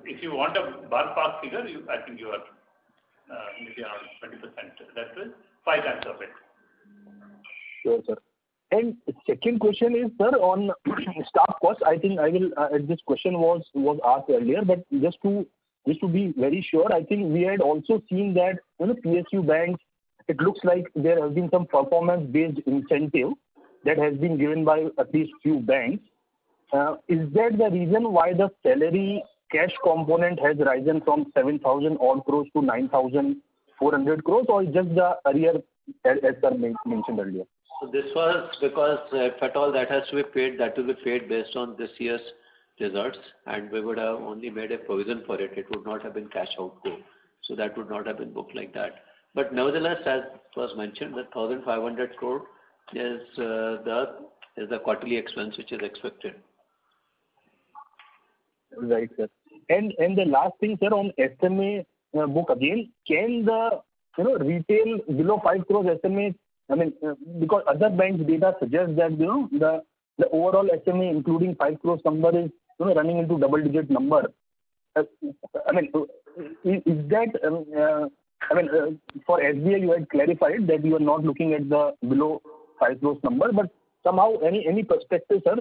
If you want a ballpark figure, I think you are maybe around 20%, that is five times of it. Sure, sir. Second question is, sir, on staff cost. I think this question was asked earlier, but just to be very sure, I think we had also seen that in PSU banks, it looks like there has been some performance-based incentive that has been given by at least a few banks. Is that the reason why the salary cash component has risen from 7,000 odd crore to 9,400 crore, or just the earlier as mentioned earlier? This was because if at all that has to be paid, that will be paid based on this year's results, and we would have only made a provision for it. It would not have been cash outflow. That would not have been booked like that. Nevertheless, as was mentioned, the 1,500 crore is the quarterly expense which is expected. Right, sir. The last thing, sir, on SMA book again, can the retail below 5 crores SMA, because other banks' data suggests that the overall SMA including 5 crores number is running into double-digit number. For SBI, you had clarified that you are not looking at the below 5 crores number. Somehow any perspective, sir?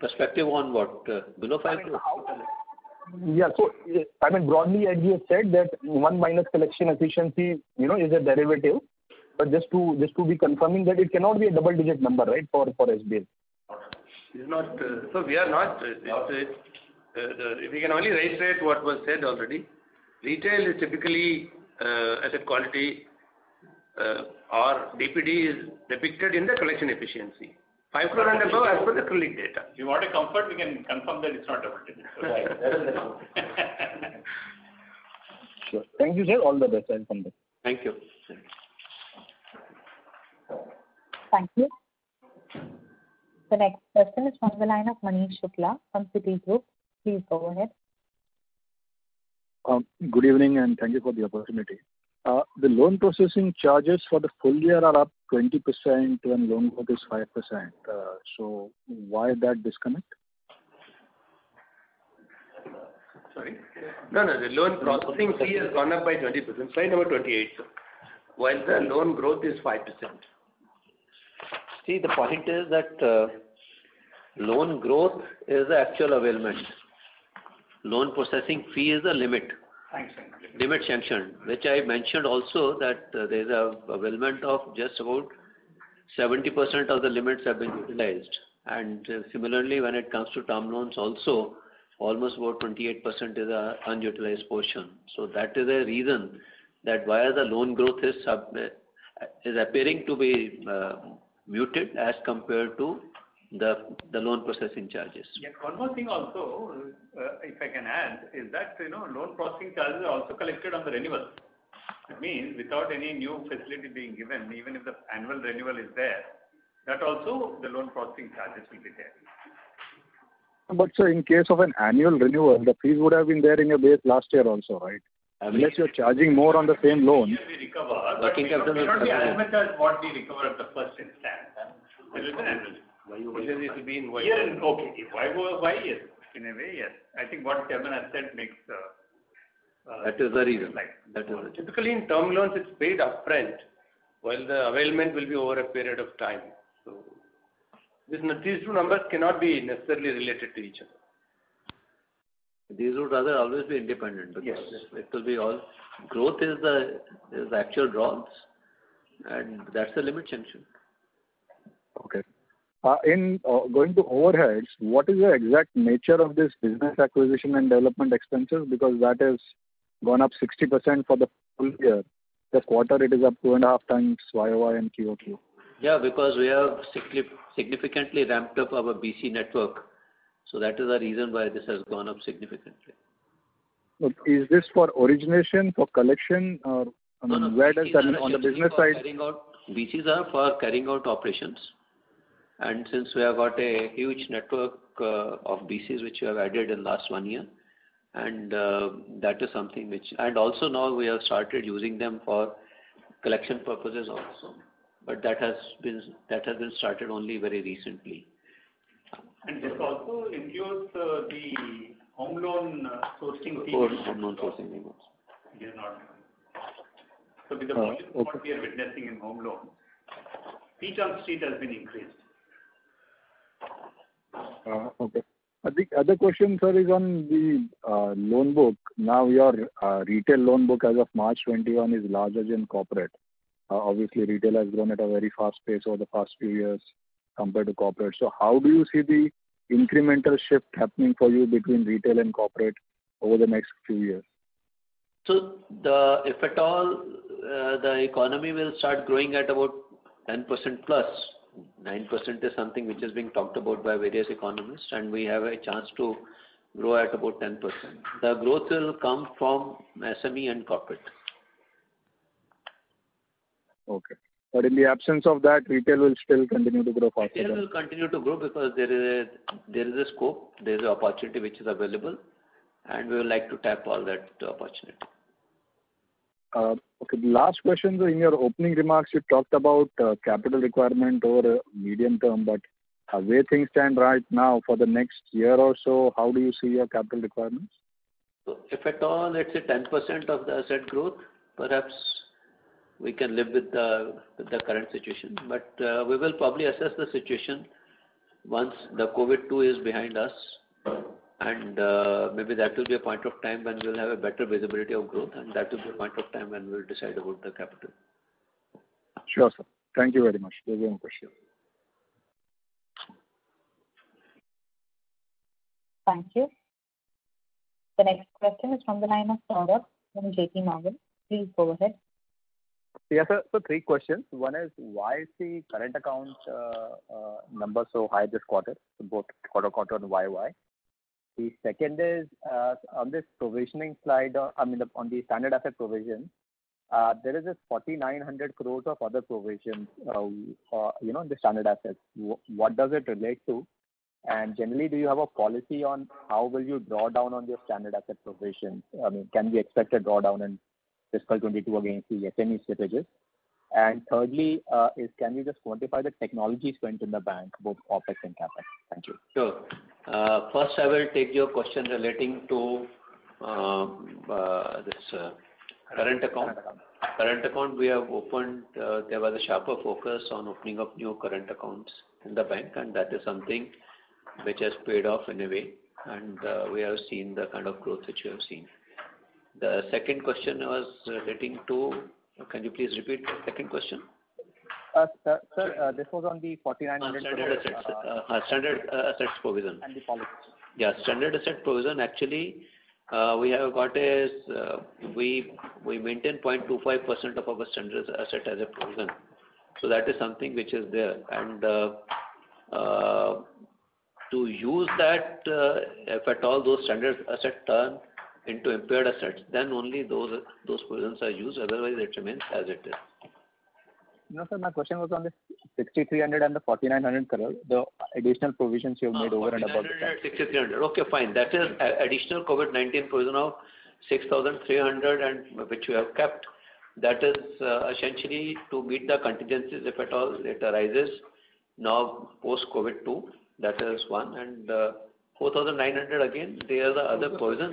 Perspective on what? Below 5 crores? Yeah. Broadly, as you have said that one minus collection efficiency is a derivative, but just to be confirming that it cannot be a double-digit number for SBI. We can only reiterate what was said already. Retail is typically asset quality or DPD is depicted in the collection efficiency. 5 crore and above as per the CRILC data. You want a comfort, we can confirm that it's not double-digit. Sure. Thank you, sir. All the best and come back. Thank you. Thank you. Thank you. The next question is on the line of Manish Shukla from Citigroup. Please go ahead. Good evening, thank you for the opportunity. The loan processing charges for the full year are up 20% when loan growth is 5%. Why that disconnect? Sorry. No, the loan processing fee has gone up by 20%, slide number 28 sir, while the loan growth is 5%. See, the point is that loan growth is the actual availment. Loan processing fee is a limit. Limit sanctioned. Limit sanctioned, which I mentioned also that there's availment of just about 70% of the limits have been utilized. Similarly, when it comes to term loans also, almost about 28% is the unutilized portion. That is a reason that why the loan growth is appearing to be muted as compared to the loan processing charges. One more thing also, if I can add, is that loan processing charges are also collected on the renewal. That means, without any new facility being given, even if the annual renewal is there, that also the loan processing charges will be there. Sir, in case of an annual renewal, the fees would have been there in your base last year also, right? Unless you're charging more on the same loan. Here we recover but it's not the availment as what we recover at the first instance. That is an annual. Year-over-year. Okay. Year-over-year, yes. In a way, yes. I think what Chairman has said makes. That is the reason. Typically in term loans, it's paid upfront while the availment will be over a period of time. These two numbers cannot be necessarily related to each other. These would rather always be independent because. Yes It will be all growth is the actual draws. That's the limit sanction. Okay. Going to overheads, what is your exact nature of this business acquisition and development expenses? That has gone up 60% for the full year. This quarter it is up two and a half times year-over-year and quarter-over-quarter. Yeah, because we have significantly ramped up our BC network. That is the reason why this has gone up significantly. Is this for origination, for collection, or where does that on the business side? BCs are for carrying out operations. Since we have got a huge network of BCs, which we have added in last one year. That is something which, also now we have started using them for collection purposes also. That has been started only very recently. This also reduced the home loan sourcing fees. Home loan sourcing fees. It is not. With the volume point we are witnessing in home loans, fee contribution has been increased. Okay. I think other question, sir, is on the loan book. Now your retail loan book as of March 2021 is larger than corporate. Obviously, retail has grown at a very fast pace over the past few years compared to corporate. How do you see the incremental shift happening for you between retail and corporate over the next few years? If at all the economy will start growing at about 10%+. 9% is something which is being talked about by various economists, and we have a chance to grow at about 10%. The growth will come from SME and corporate. Okay. In the absence of that, retail will still continue to grow faster? Retail will continue to grow because there is a scope, there is opportunity which is available, and we would like to tap all that opportunity. Okay. The last question, sir. In your opening remarks, you talked about capital requirement over medium term, but the way things stand right now for the next year or so, how do you see your capital requirements? If at all, let's say, 10% of the asset growth, perhaps we can live with the current situation. We will probably assess the situation once the COVID-2 is behind us, and maybe that will be a point of time when we'll have a better visibility of growth, and that will be a point of time when we'll decide about the capital. Sure, sir. Thank you very much. Very impressive. Thank you. The next question is from the line of Saurabh from JPMorgan. Please go ahead. Yeah, sir. Three questions. One is why is the current account number so high this quarter? Quarter-to-quarter why? The second is on this provisioning slide, I mean, on the standard asset provision. There is this 4,900 crore of other provisions for the standard assets. What does it relate to? Generally, do you have a policy on how will you draw down on your standard asset provisions? I mean, can we expect a draw down in FY 2022 against the SME stresses? Thirdly is, can we just quantify the technology spend in the bank, both OpEx and CapEx? Thank you. Sure. First, I will take your question relating to this current account. Current account, we have opened. There was a sharper focus on opening up new current accounts in the bank, and that is something which has paid off in a way, and we have seen the kind of growth which you have seen. The second question was relating to. Can you please repeat the second question? Sir, this was on the INR 4,900 crore. Standard assets provision. The comments. Yeah. Standard asset provision, actually, we maintain 0.25% of our standard asset as a provision. That is something which is there. To use that, if at all those standard asset turn into impaired assets, then only those provisions are used. Otherwise, it remains as it is. No, sir. My question was on the 6,300 crores and the 4,900 crores, the additional provisions you have made over and above that. 6,300 crore. Okay, fine. That is additional COVID-19 provision of 6,300 crores and which we have kept. That is essentially to meet the contingencies if at all it arises now post-COVID-2. That is one. 4,900 crores again, they are the other provisions.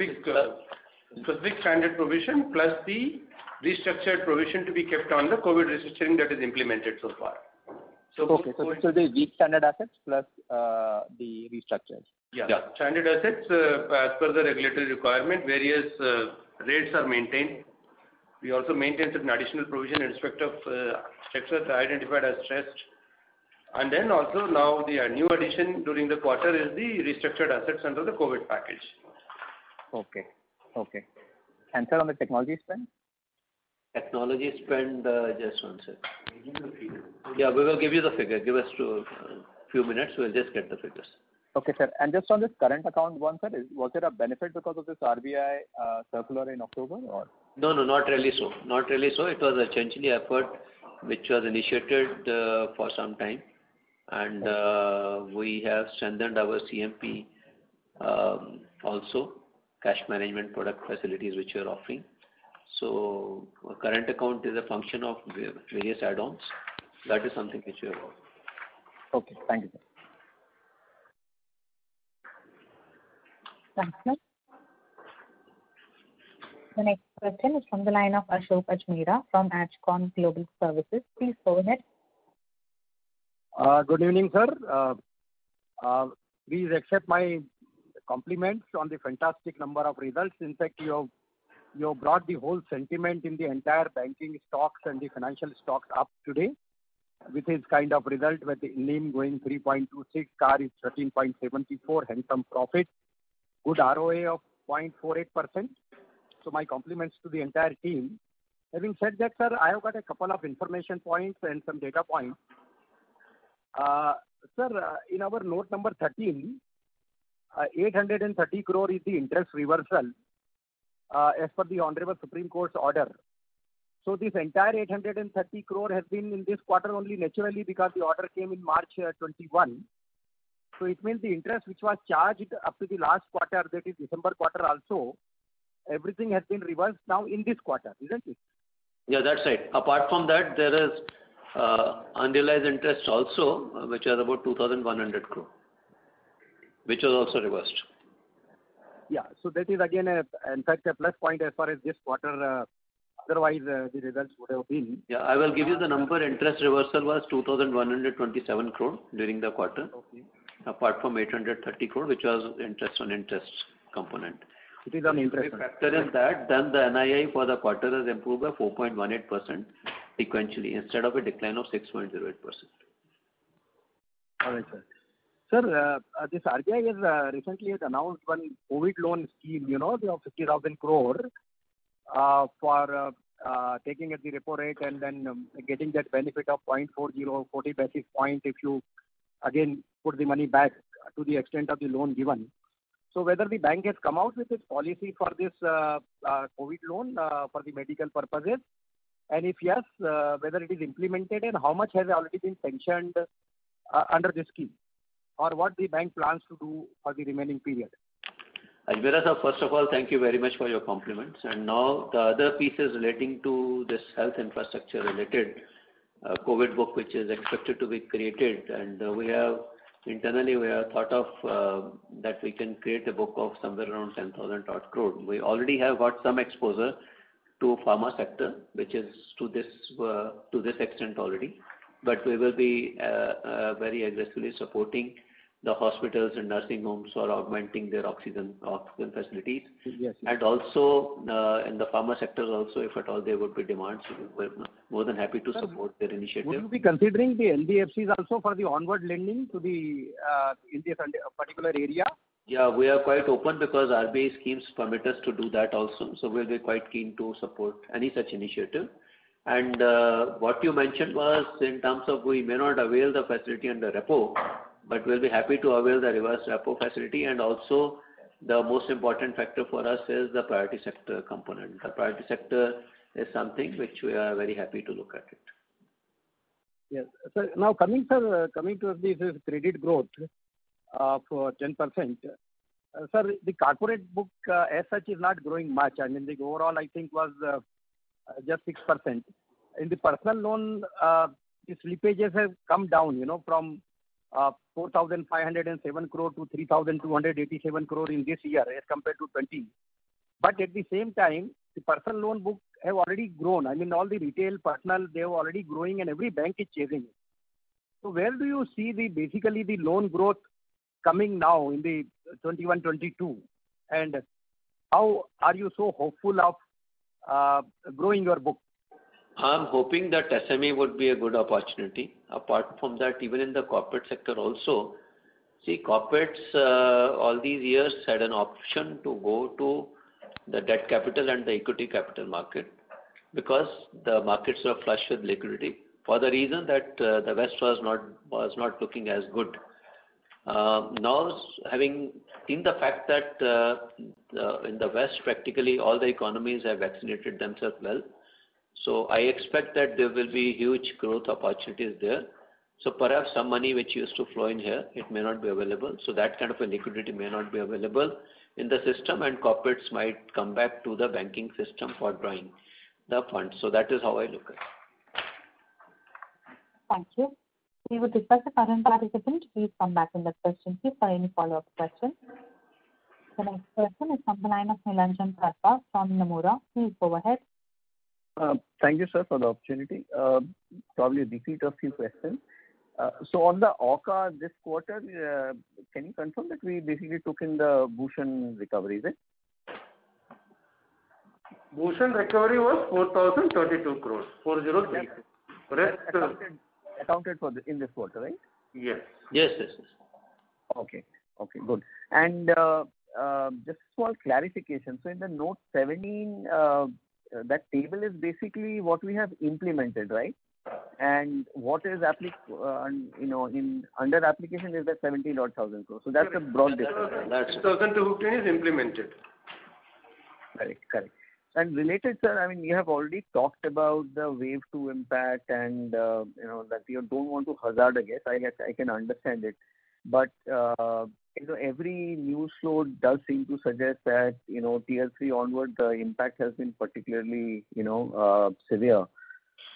The big standard provision plus the restructured provision to be kept on the COVID restriction that is implemented so far. Okay. The weak standard assets plus the restructures. Yeah. Standard assets, as per the regulatory requirement, various rates are maintained. We also maintain some additional provision in respect of structures identified as stressed. Also now the new addition during the quarter is the restructured assets under the COVID package. Okay. Sir, on the technology spend? Technology spend, just one second. Give him the figure. Yeah, we will give you the figure. Give us two minutes. We'll just get the figures. Okay, sir. Just on this current account one, sir. Was there a benefit because of this RBI circular in October or? No, not really so. It was essentially effort which was initiated for some time. We have strengthened our CMP also, cash management product facility, which we are offering. Current account is a function of various add-ons. That is something which we are offering. Okay. Thank you. Thank you. The next question is from the line of Ashok Ajmera from Ajcon Global Services. Please go ahead. Good evening, sir. Please accept my compliments on the fantastic number of results. In fact, you have brought the whole sentiment in the entire banking stocks and the financial stock up today with this kind of result with the NIM going 3.26%, CAR is 13.74% and some profit. Good ROA of 0.48%. My compliments to the entire team. Having said that, sir, I have got a couple of information points and some data points. Sir, in our note number 13, 830 crore is the interest reversal. As per the Honorable Supreme Court's order. This entire 830 crore has been in this quarter only naturally because the order came in March 2021. It means the interest which was charged up to the last quarter, that is December quarter also, everything has been reversed now in this quarter, isn't it? Yeah, that's right. Apart from that, there is unrealized interest also, which was about 2,100 crore, which was also reversed. Yeah. That is again, in fact, a plus point as far as this quarter, otherwise the results would have been. Yeah. I will give you the number. Interest reversal was 2,127 crore during the quarter. Okay. Apart from 830 crore, which was interest on interest component. It is on interest. Better than that, the NII for the quarter has improved by 4.18% sequentially, instead of a decline of 6.08%. All right, sir. Sir, this RBI has recently announced one COVID loan scheme, of 50,000 crore, for taking at the repo rate and getting that benefit of 0.40 or 40 basis points if you again put the money back to the extent of the loan given. Whether the bank has come out with its policy for this COVID loan for the medical purposes, and if yes, whether it is implemented and how much has already been sanctioned under this scheme? What the bank plans to do for the remaining period? Ajmera Sir, first of all, thank you very much for your compliments. Now the other piece is relating to this health infrastructure-related COVID book, which is expected to be created. Internally we have thought of that we can create a book of somewhere around 10,000 odd crore. We already have got some exposure to pharma sector, which is to this extent already. We will be very aggressively supporting the hospitals and nursing homes who are augmenting their oxygen facilities. Yes. The pharma sectors also, if at all there would be demands, we're more than happy to support their initiative. Sir, would you be considering the NBFCs also for the onward lending to the India particular area? We are quite open because RBI schemes permit us to do that also. We'll be quite keen to support any such initiative. What you mentioned was in terms of we may not avail the facility under repo, but we'll be happy to avail the reverse repo facility and also the most important factor for us is the priority sector component. The priority sector is something which we are very happy to look at it. Yes. Sir, now coming to this credit growth of 10%. Sir, the corporate book as such is not growing much. The overall I think was just 6%. In the personal loan, the slippages have come down from 4,507 crore-3,287 crore in this year as compared to 2020. At the same time, the personal loan book have already grown. All the retail personal, they are already growing and every bank is chasing it. Where do you see basically the loan growth coming now in 2021, 2022? And how are you so hopeful of growing your book? I'm hoping that SME would be a good opportunity. Apart from that, even in the corporate sector also, see, corporates all these years had an option to go to the debt capital and the equity capital market because the markets were flush with liquidity for the reason that the West was not looking as good. Now, having seen the fact that in the West, practically all the economies have vaccinated themselves well. I expect that there will be huge growth opportunities there. Perhaps some money which used to flow in here, it may not be available. That kind of a liquidity may not be available in the system, and corporates might come back to the banking system for drawing the funds. That is how I look at it. Thank you. We would request the current participant to please come back in the question queue for any follow-up questions. The next question is from the line of Nilanjan Karfa from Nomura. Please go ahead. Thank you, sir, for the opportunity. Probably a repeat of few questions. On the AUCA this quarter, can you confirm that we basically took in the Bhushan recovery, right? Bhushan recovery was 4,032 crores. 4,032 crores. Accounted for in this quarter, right? Yes. Yes. Okay, good. Just for clarification, in the note 17, that table is basically what we have implemented, right? Yes. Under application is the 17 odd thousand crores. That's the broad difference. That is implemented. Correct. Related, sir, you have already talked about the Wave 2 impact and that you don't want to hazard a guess. I can understand it. Every news flow does seem to suggest that tier 3 onward, the impact has been particularly severe.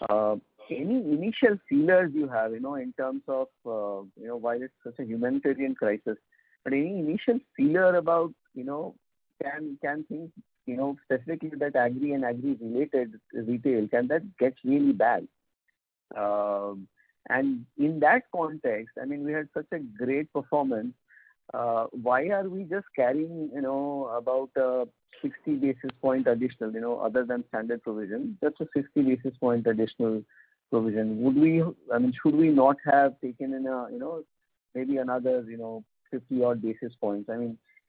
Any initial feelers you have in terms of while it's such a humanitarian crisis, but any initial feeler about can things specifically that agri and agri-related retail, can that get really bad? In that context, we had such a great performance, why are we just carrying about 60 basis point additional, other than standard provision, just a 60 basis point additional provision. Should we not have taken in maybe another 50 odd basis points?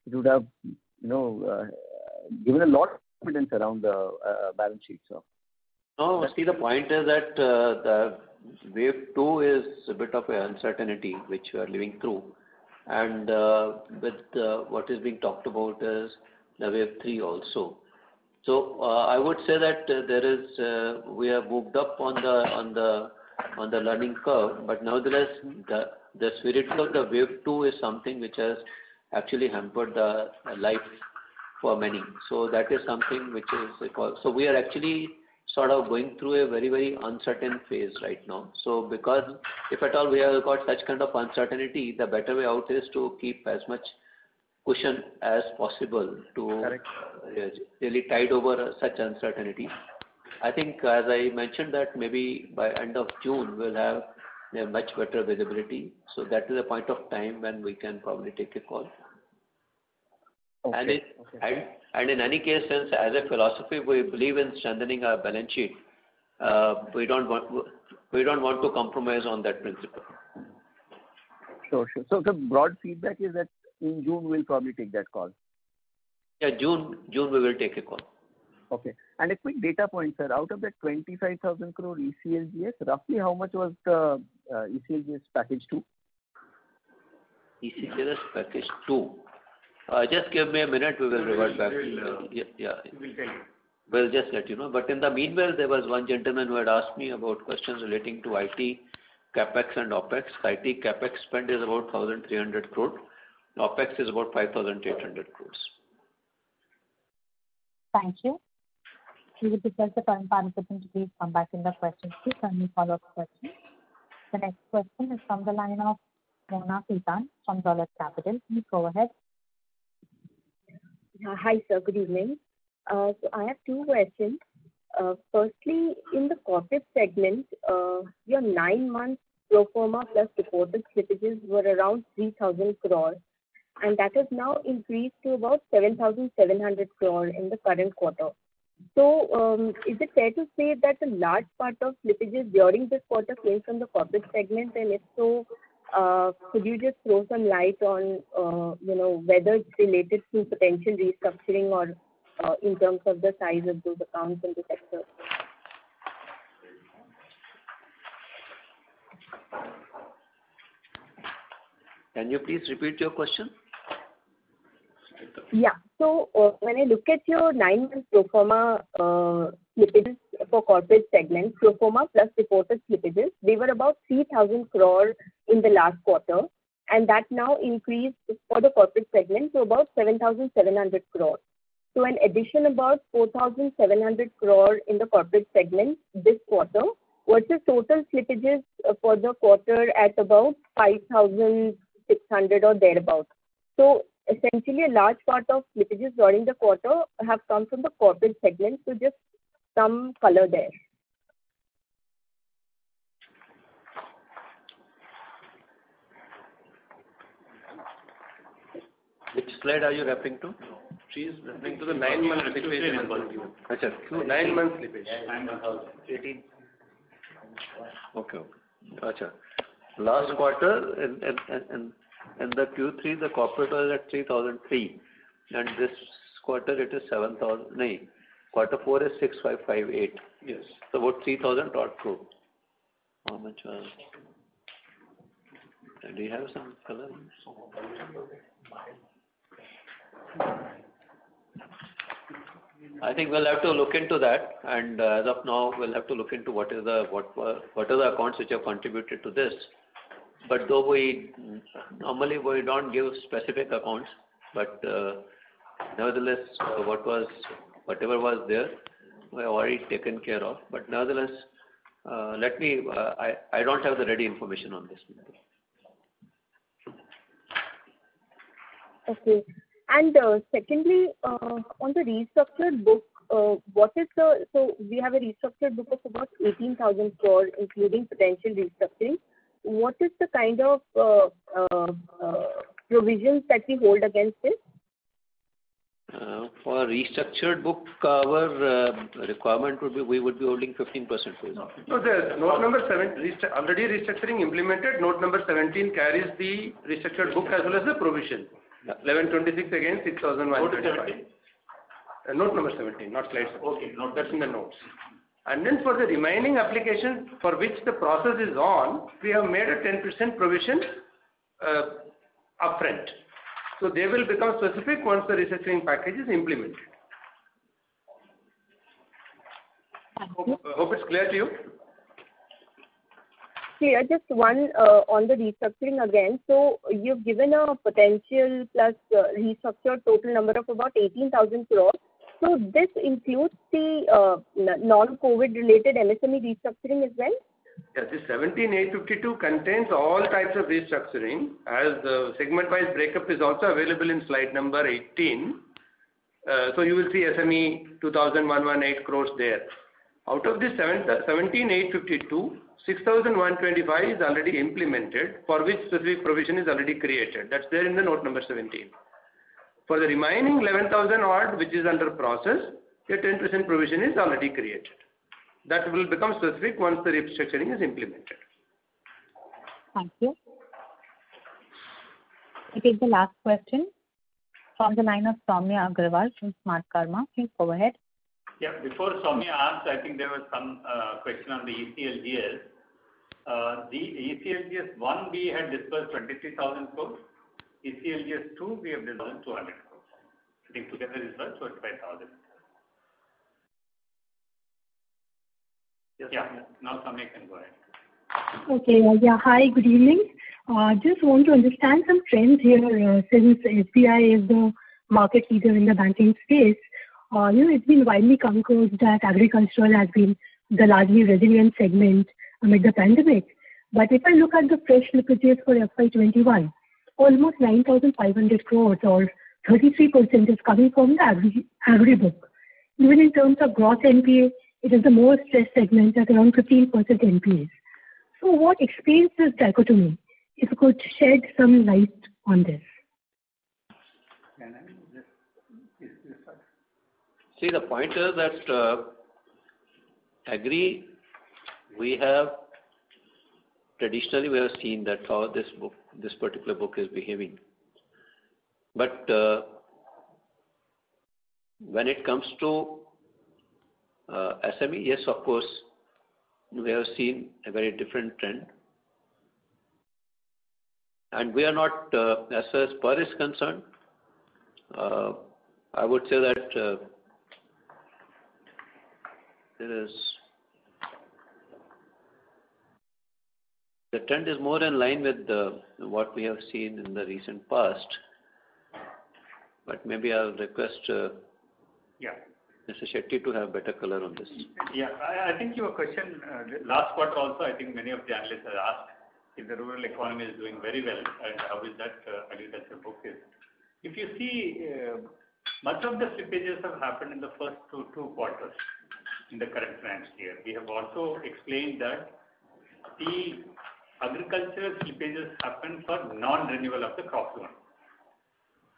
It would have given a lot of confidence around the balance sheet, sir. No, actually, the point is that Wave 2 is a bit of an uncertainty, which we are living through, and with what is being talked about is Wave 3 also. I would say that we have moved up on the learning curve, but nevertheless, the severity of Wave 2 is something which has actually hampered life for many. That is something which is the cause. We are actually sort of going through a very uncertain phase right now. Because if at all we have got such kind of uncertainty, the better way out is to keep as much cushion as possible to really tide over such uncertainty. I think, as I mentioned, that maybe by the end of June, we'll have a much better visibility. That is a point of time when we can probably take a call. Okay. In any case, as a philosophy, we believe in strengthening our balance sheet. We don't want to compromise on that principle. Sure. The broad feedback is that in June, we'll probably take that call. Yeah, June, we will take a call. Okay. A quick data point, sir. Out of that 25,000 crore ECLGS, roughly how much was the ECLGS package two? ECLGS package two. Just give me a minute. We'll revert back to you. We'll tell you. We'll just let you know. In the meanwhile, there was one gentleman who had asked me about questions relating to IT, CapEx and OpEx. IT CapEx spend is about 1,300 crore. OpEx is about 5,800 crores. Thank you. The next question is from the line of Mona Khetan from Dolat Capital. Please go ahead. Hi, sir. Good evening. I have two questions. Firstly, in the corporate segment, your nine-month pro forma plus supported slippages were around 3,000 crores, and that has now increased to about 7,700 crores in the current quarter. Is it fair to say that a large part of slippages during this quarter came from the corporate segment? If so, could you just throw some light on whether it's related to potential restructuring or in terms of the size of those accounts and the sector? Can you please repeat your question? Yeah. When I look at your nine pro forma slippages for corporate segment, pro forma plus reported slippages, they were about 3,000 crores in the last quarter, and that now increased for the corporate segment to about 7,700 crores. An addition of about 4,700 crores in the corporate segment this quarter versus total slippages for the quarter at about 5,600 or thereabout. Essentially, a large part of slippages during the quarter have come from the corporate segment. Just some color there. Which slide are you referring to? She's referring to the nine-month slippage. Okay. Last quarter and the Q3, the corporate was at 3,300. This quarter, it is 7,000. Quarter four is 6,558. Yes. About 3,000 odd crore. Do you have some color? I think we'll have to look into that, and as of now, we'll have to look into what are the accounts which have contributed to this. Normally, we don't give specific accounts, nevertheless, whatever was there, we've already taken care of. Nevertheless, I don't have the ready information on this. Okay. Secondly, on the restructured book, we have a restructured book of about 18,000 crores, including potential restructuring. What is the kind of provisions that we hold against it? For restructured book, our requirement would be we would be holding 15% provision. There's note number 17. Already restructuring implemented, note number 17 carries the restructured book as well as the provision. 1,126 against 6,125. Note number 17, not slide 17. Okay. Note 17. That's in the notes. For the remaining application for which the process is on, we have made a 10% provision upfront. They will become specific once the restructuring package is implemented. Hope it's clear to you. Yeah, just one on the restructuring again. You've given a potential plus restructured total number of about 18,000 crores. This includes the non-COVID related SME restructuring as well? The 17,852 contains all types of restructuring as segment-wise breakup is also available in slide number 18. You will see SME 2,118 crores there. Out of the 17,852, 6,125 is already implemented, for which specific provision is already created. That's there in the note number 17. For the remaining 11,000 odd, which is under process, a 10% provision is already created. That will become specific once the restructuring is implemented. Thank you. I take the last question from the line of Saumya Agarwal from Smartkarma. Please go ahead. Before Saumya asked, I think there was some question on the ECLGS. The ECLGS one, we had disbursed 23,000 crore. ECLGS two, we have disbursed 200 crore. I think together disbursed INR 25,000 crore. Now Saumya can go ahead. Okay. Hi, good evening. Just want to understand some trends here. Since SBI is the market leader in the banking space, it's been widely concluded that agricultural has been the largely resilient segment amid the pandemic. If I look at the fresh slippages for FY 2021, almost 9,500 crore or 33% is coming from the agri book. Even in terms of gross NPA, it is the most stressed segment at around 15% NPAs. What explains this dichotomy? If you could shed some light on this. Can I just please reply. The point is that, agri, traditionally we have seen that this particular book is behaving. When it comes to SME, yes, of course, we have seen a very different trend. As is concerned, I would say that the trend is more in line with what we have seen in the recent past. But maybe I'll request. Yeah Mr. Setty to have better color on this. I think your question, last part also, I think many of the analysts have asked if the rural economy is doing very well and how is that affecting the book. If you see, much of the slippages have happened in the first two quarters in the current financial year. We have also explained that the agricultural slippages happen for non-renewal of the crop loan.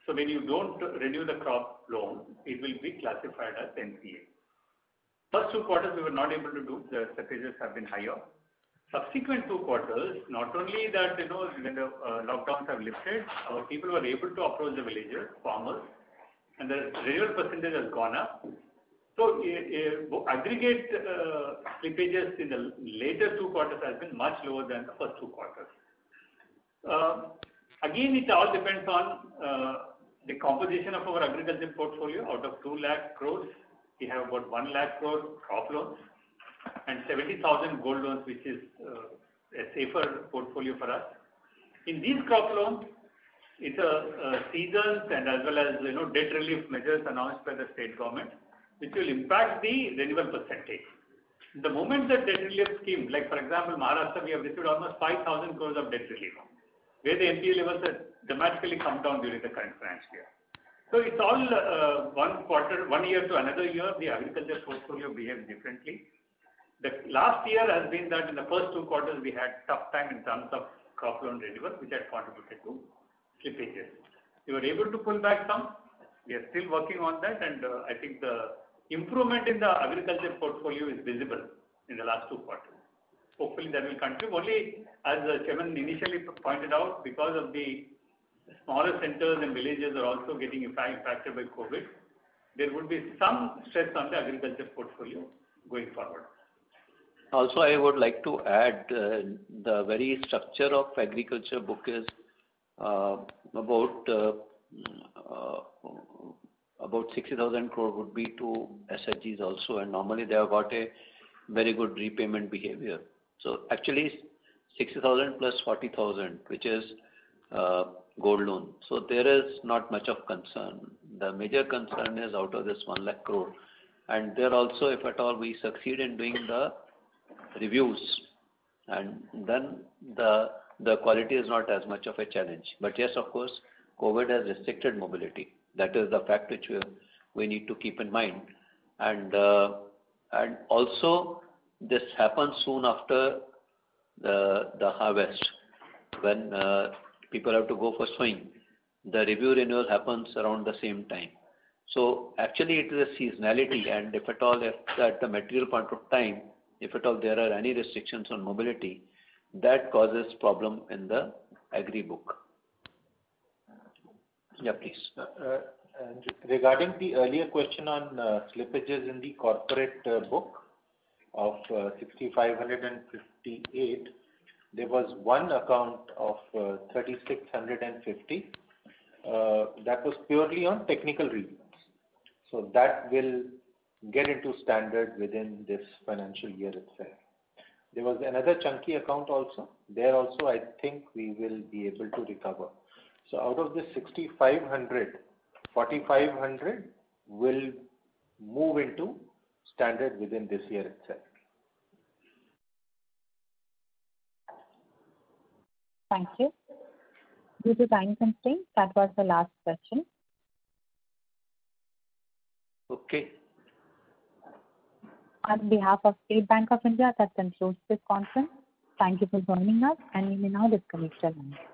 When you don't renew the crop loan, it will be classified as NPA. First two quarters, we were not able to do. The slippages have been higher. Subsequent two quarters, not only that, when the lockdowns have lifted, our people were able to approach the villagers, farmers, and the renewal percentages has gone up. Aggregate slippages in the later two quarters has been much lower than the first two quarters. Again, it all depends on the composition of our agriculture portfolio. Out of 2 lakh crore, we have about 1 lakh crore crop loans and 70,000 gold loans, which is a safer portfolio for us. In these crop loans, it's seasons and as well as debt relief measures announced by the state government, which will impact the renewal percentage. The moment the debt relief scheme, like for example, Maharashtra, we have issued almost 5,000 crore of debt relief loans, where the NPA levels have dramatically come down during the current financial year. It's all one year to another year, the agriculture portfolio behave differently. The last year has been that in the first two quarters, we had tough time in terms of crop loan renewal, which had contributed to slippages. We were able to pull back some. We are still working on that, and I think the improvement in the agriculture portfolio is visible in the last two quarters. Hopefully, that will continue. Only, as Chairman initially pointed out, because of the smaller centers and villages are also getting impacted by COVID, there would be some stress on the agriculture portfolio going forward. I would like to add, the very structure of agriculture book is about 60,000 crore would be to SHGs also, and normally they have got a very good repayment behavior. Actually, 60,000 crore + 40,000 crore, which is gold loan. There is not much of concern. The major concern is out of this 1 lakh crore. There also, if at all we succeed in doing the reviews, and then the quality is not as much of a challenge. Yes, of course, COVID-19 has restricted mobility. That is the fact which we need to keep in mind. Also, this happens soon after the harvest when people have to go for sowing. The review renewal happens around the same time. Actually, it is a seasonality and at the material point of time, if at all there are any restrictions on mobility, that causes problem in the agri book. Yeah, please. Regarding the earlier question on slippages in the corporate book of 6,558, there was one account of 3,650. That was purely on technical reasons. That will get into standard within this financial year itself. There was another chunky account also. There also, I think we will be able to recover. Out of this 6,500, 4,500 will move into standard within this year itself. Thank you. Due to time constraint, that was the last question. Okay. On behalf of State Bank of India, that concludes this conference. Thank you for joining us, and you may now disconnect your lines.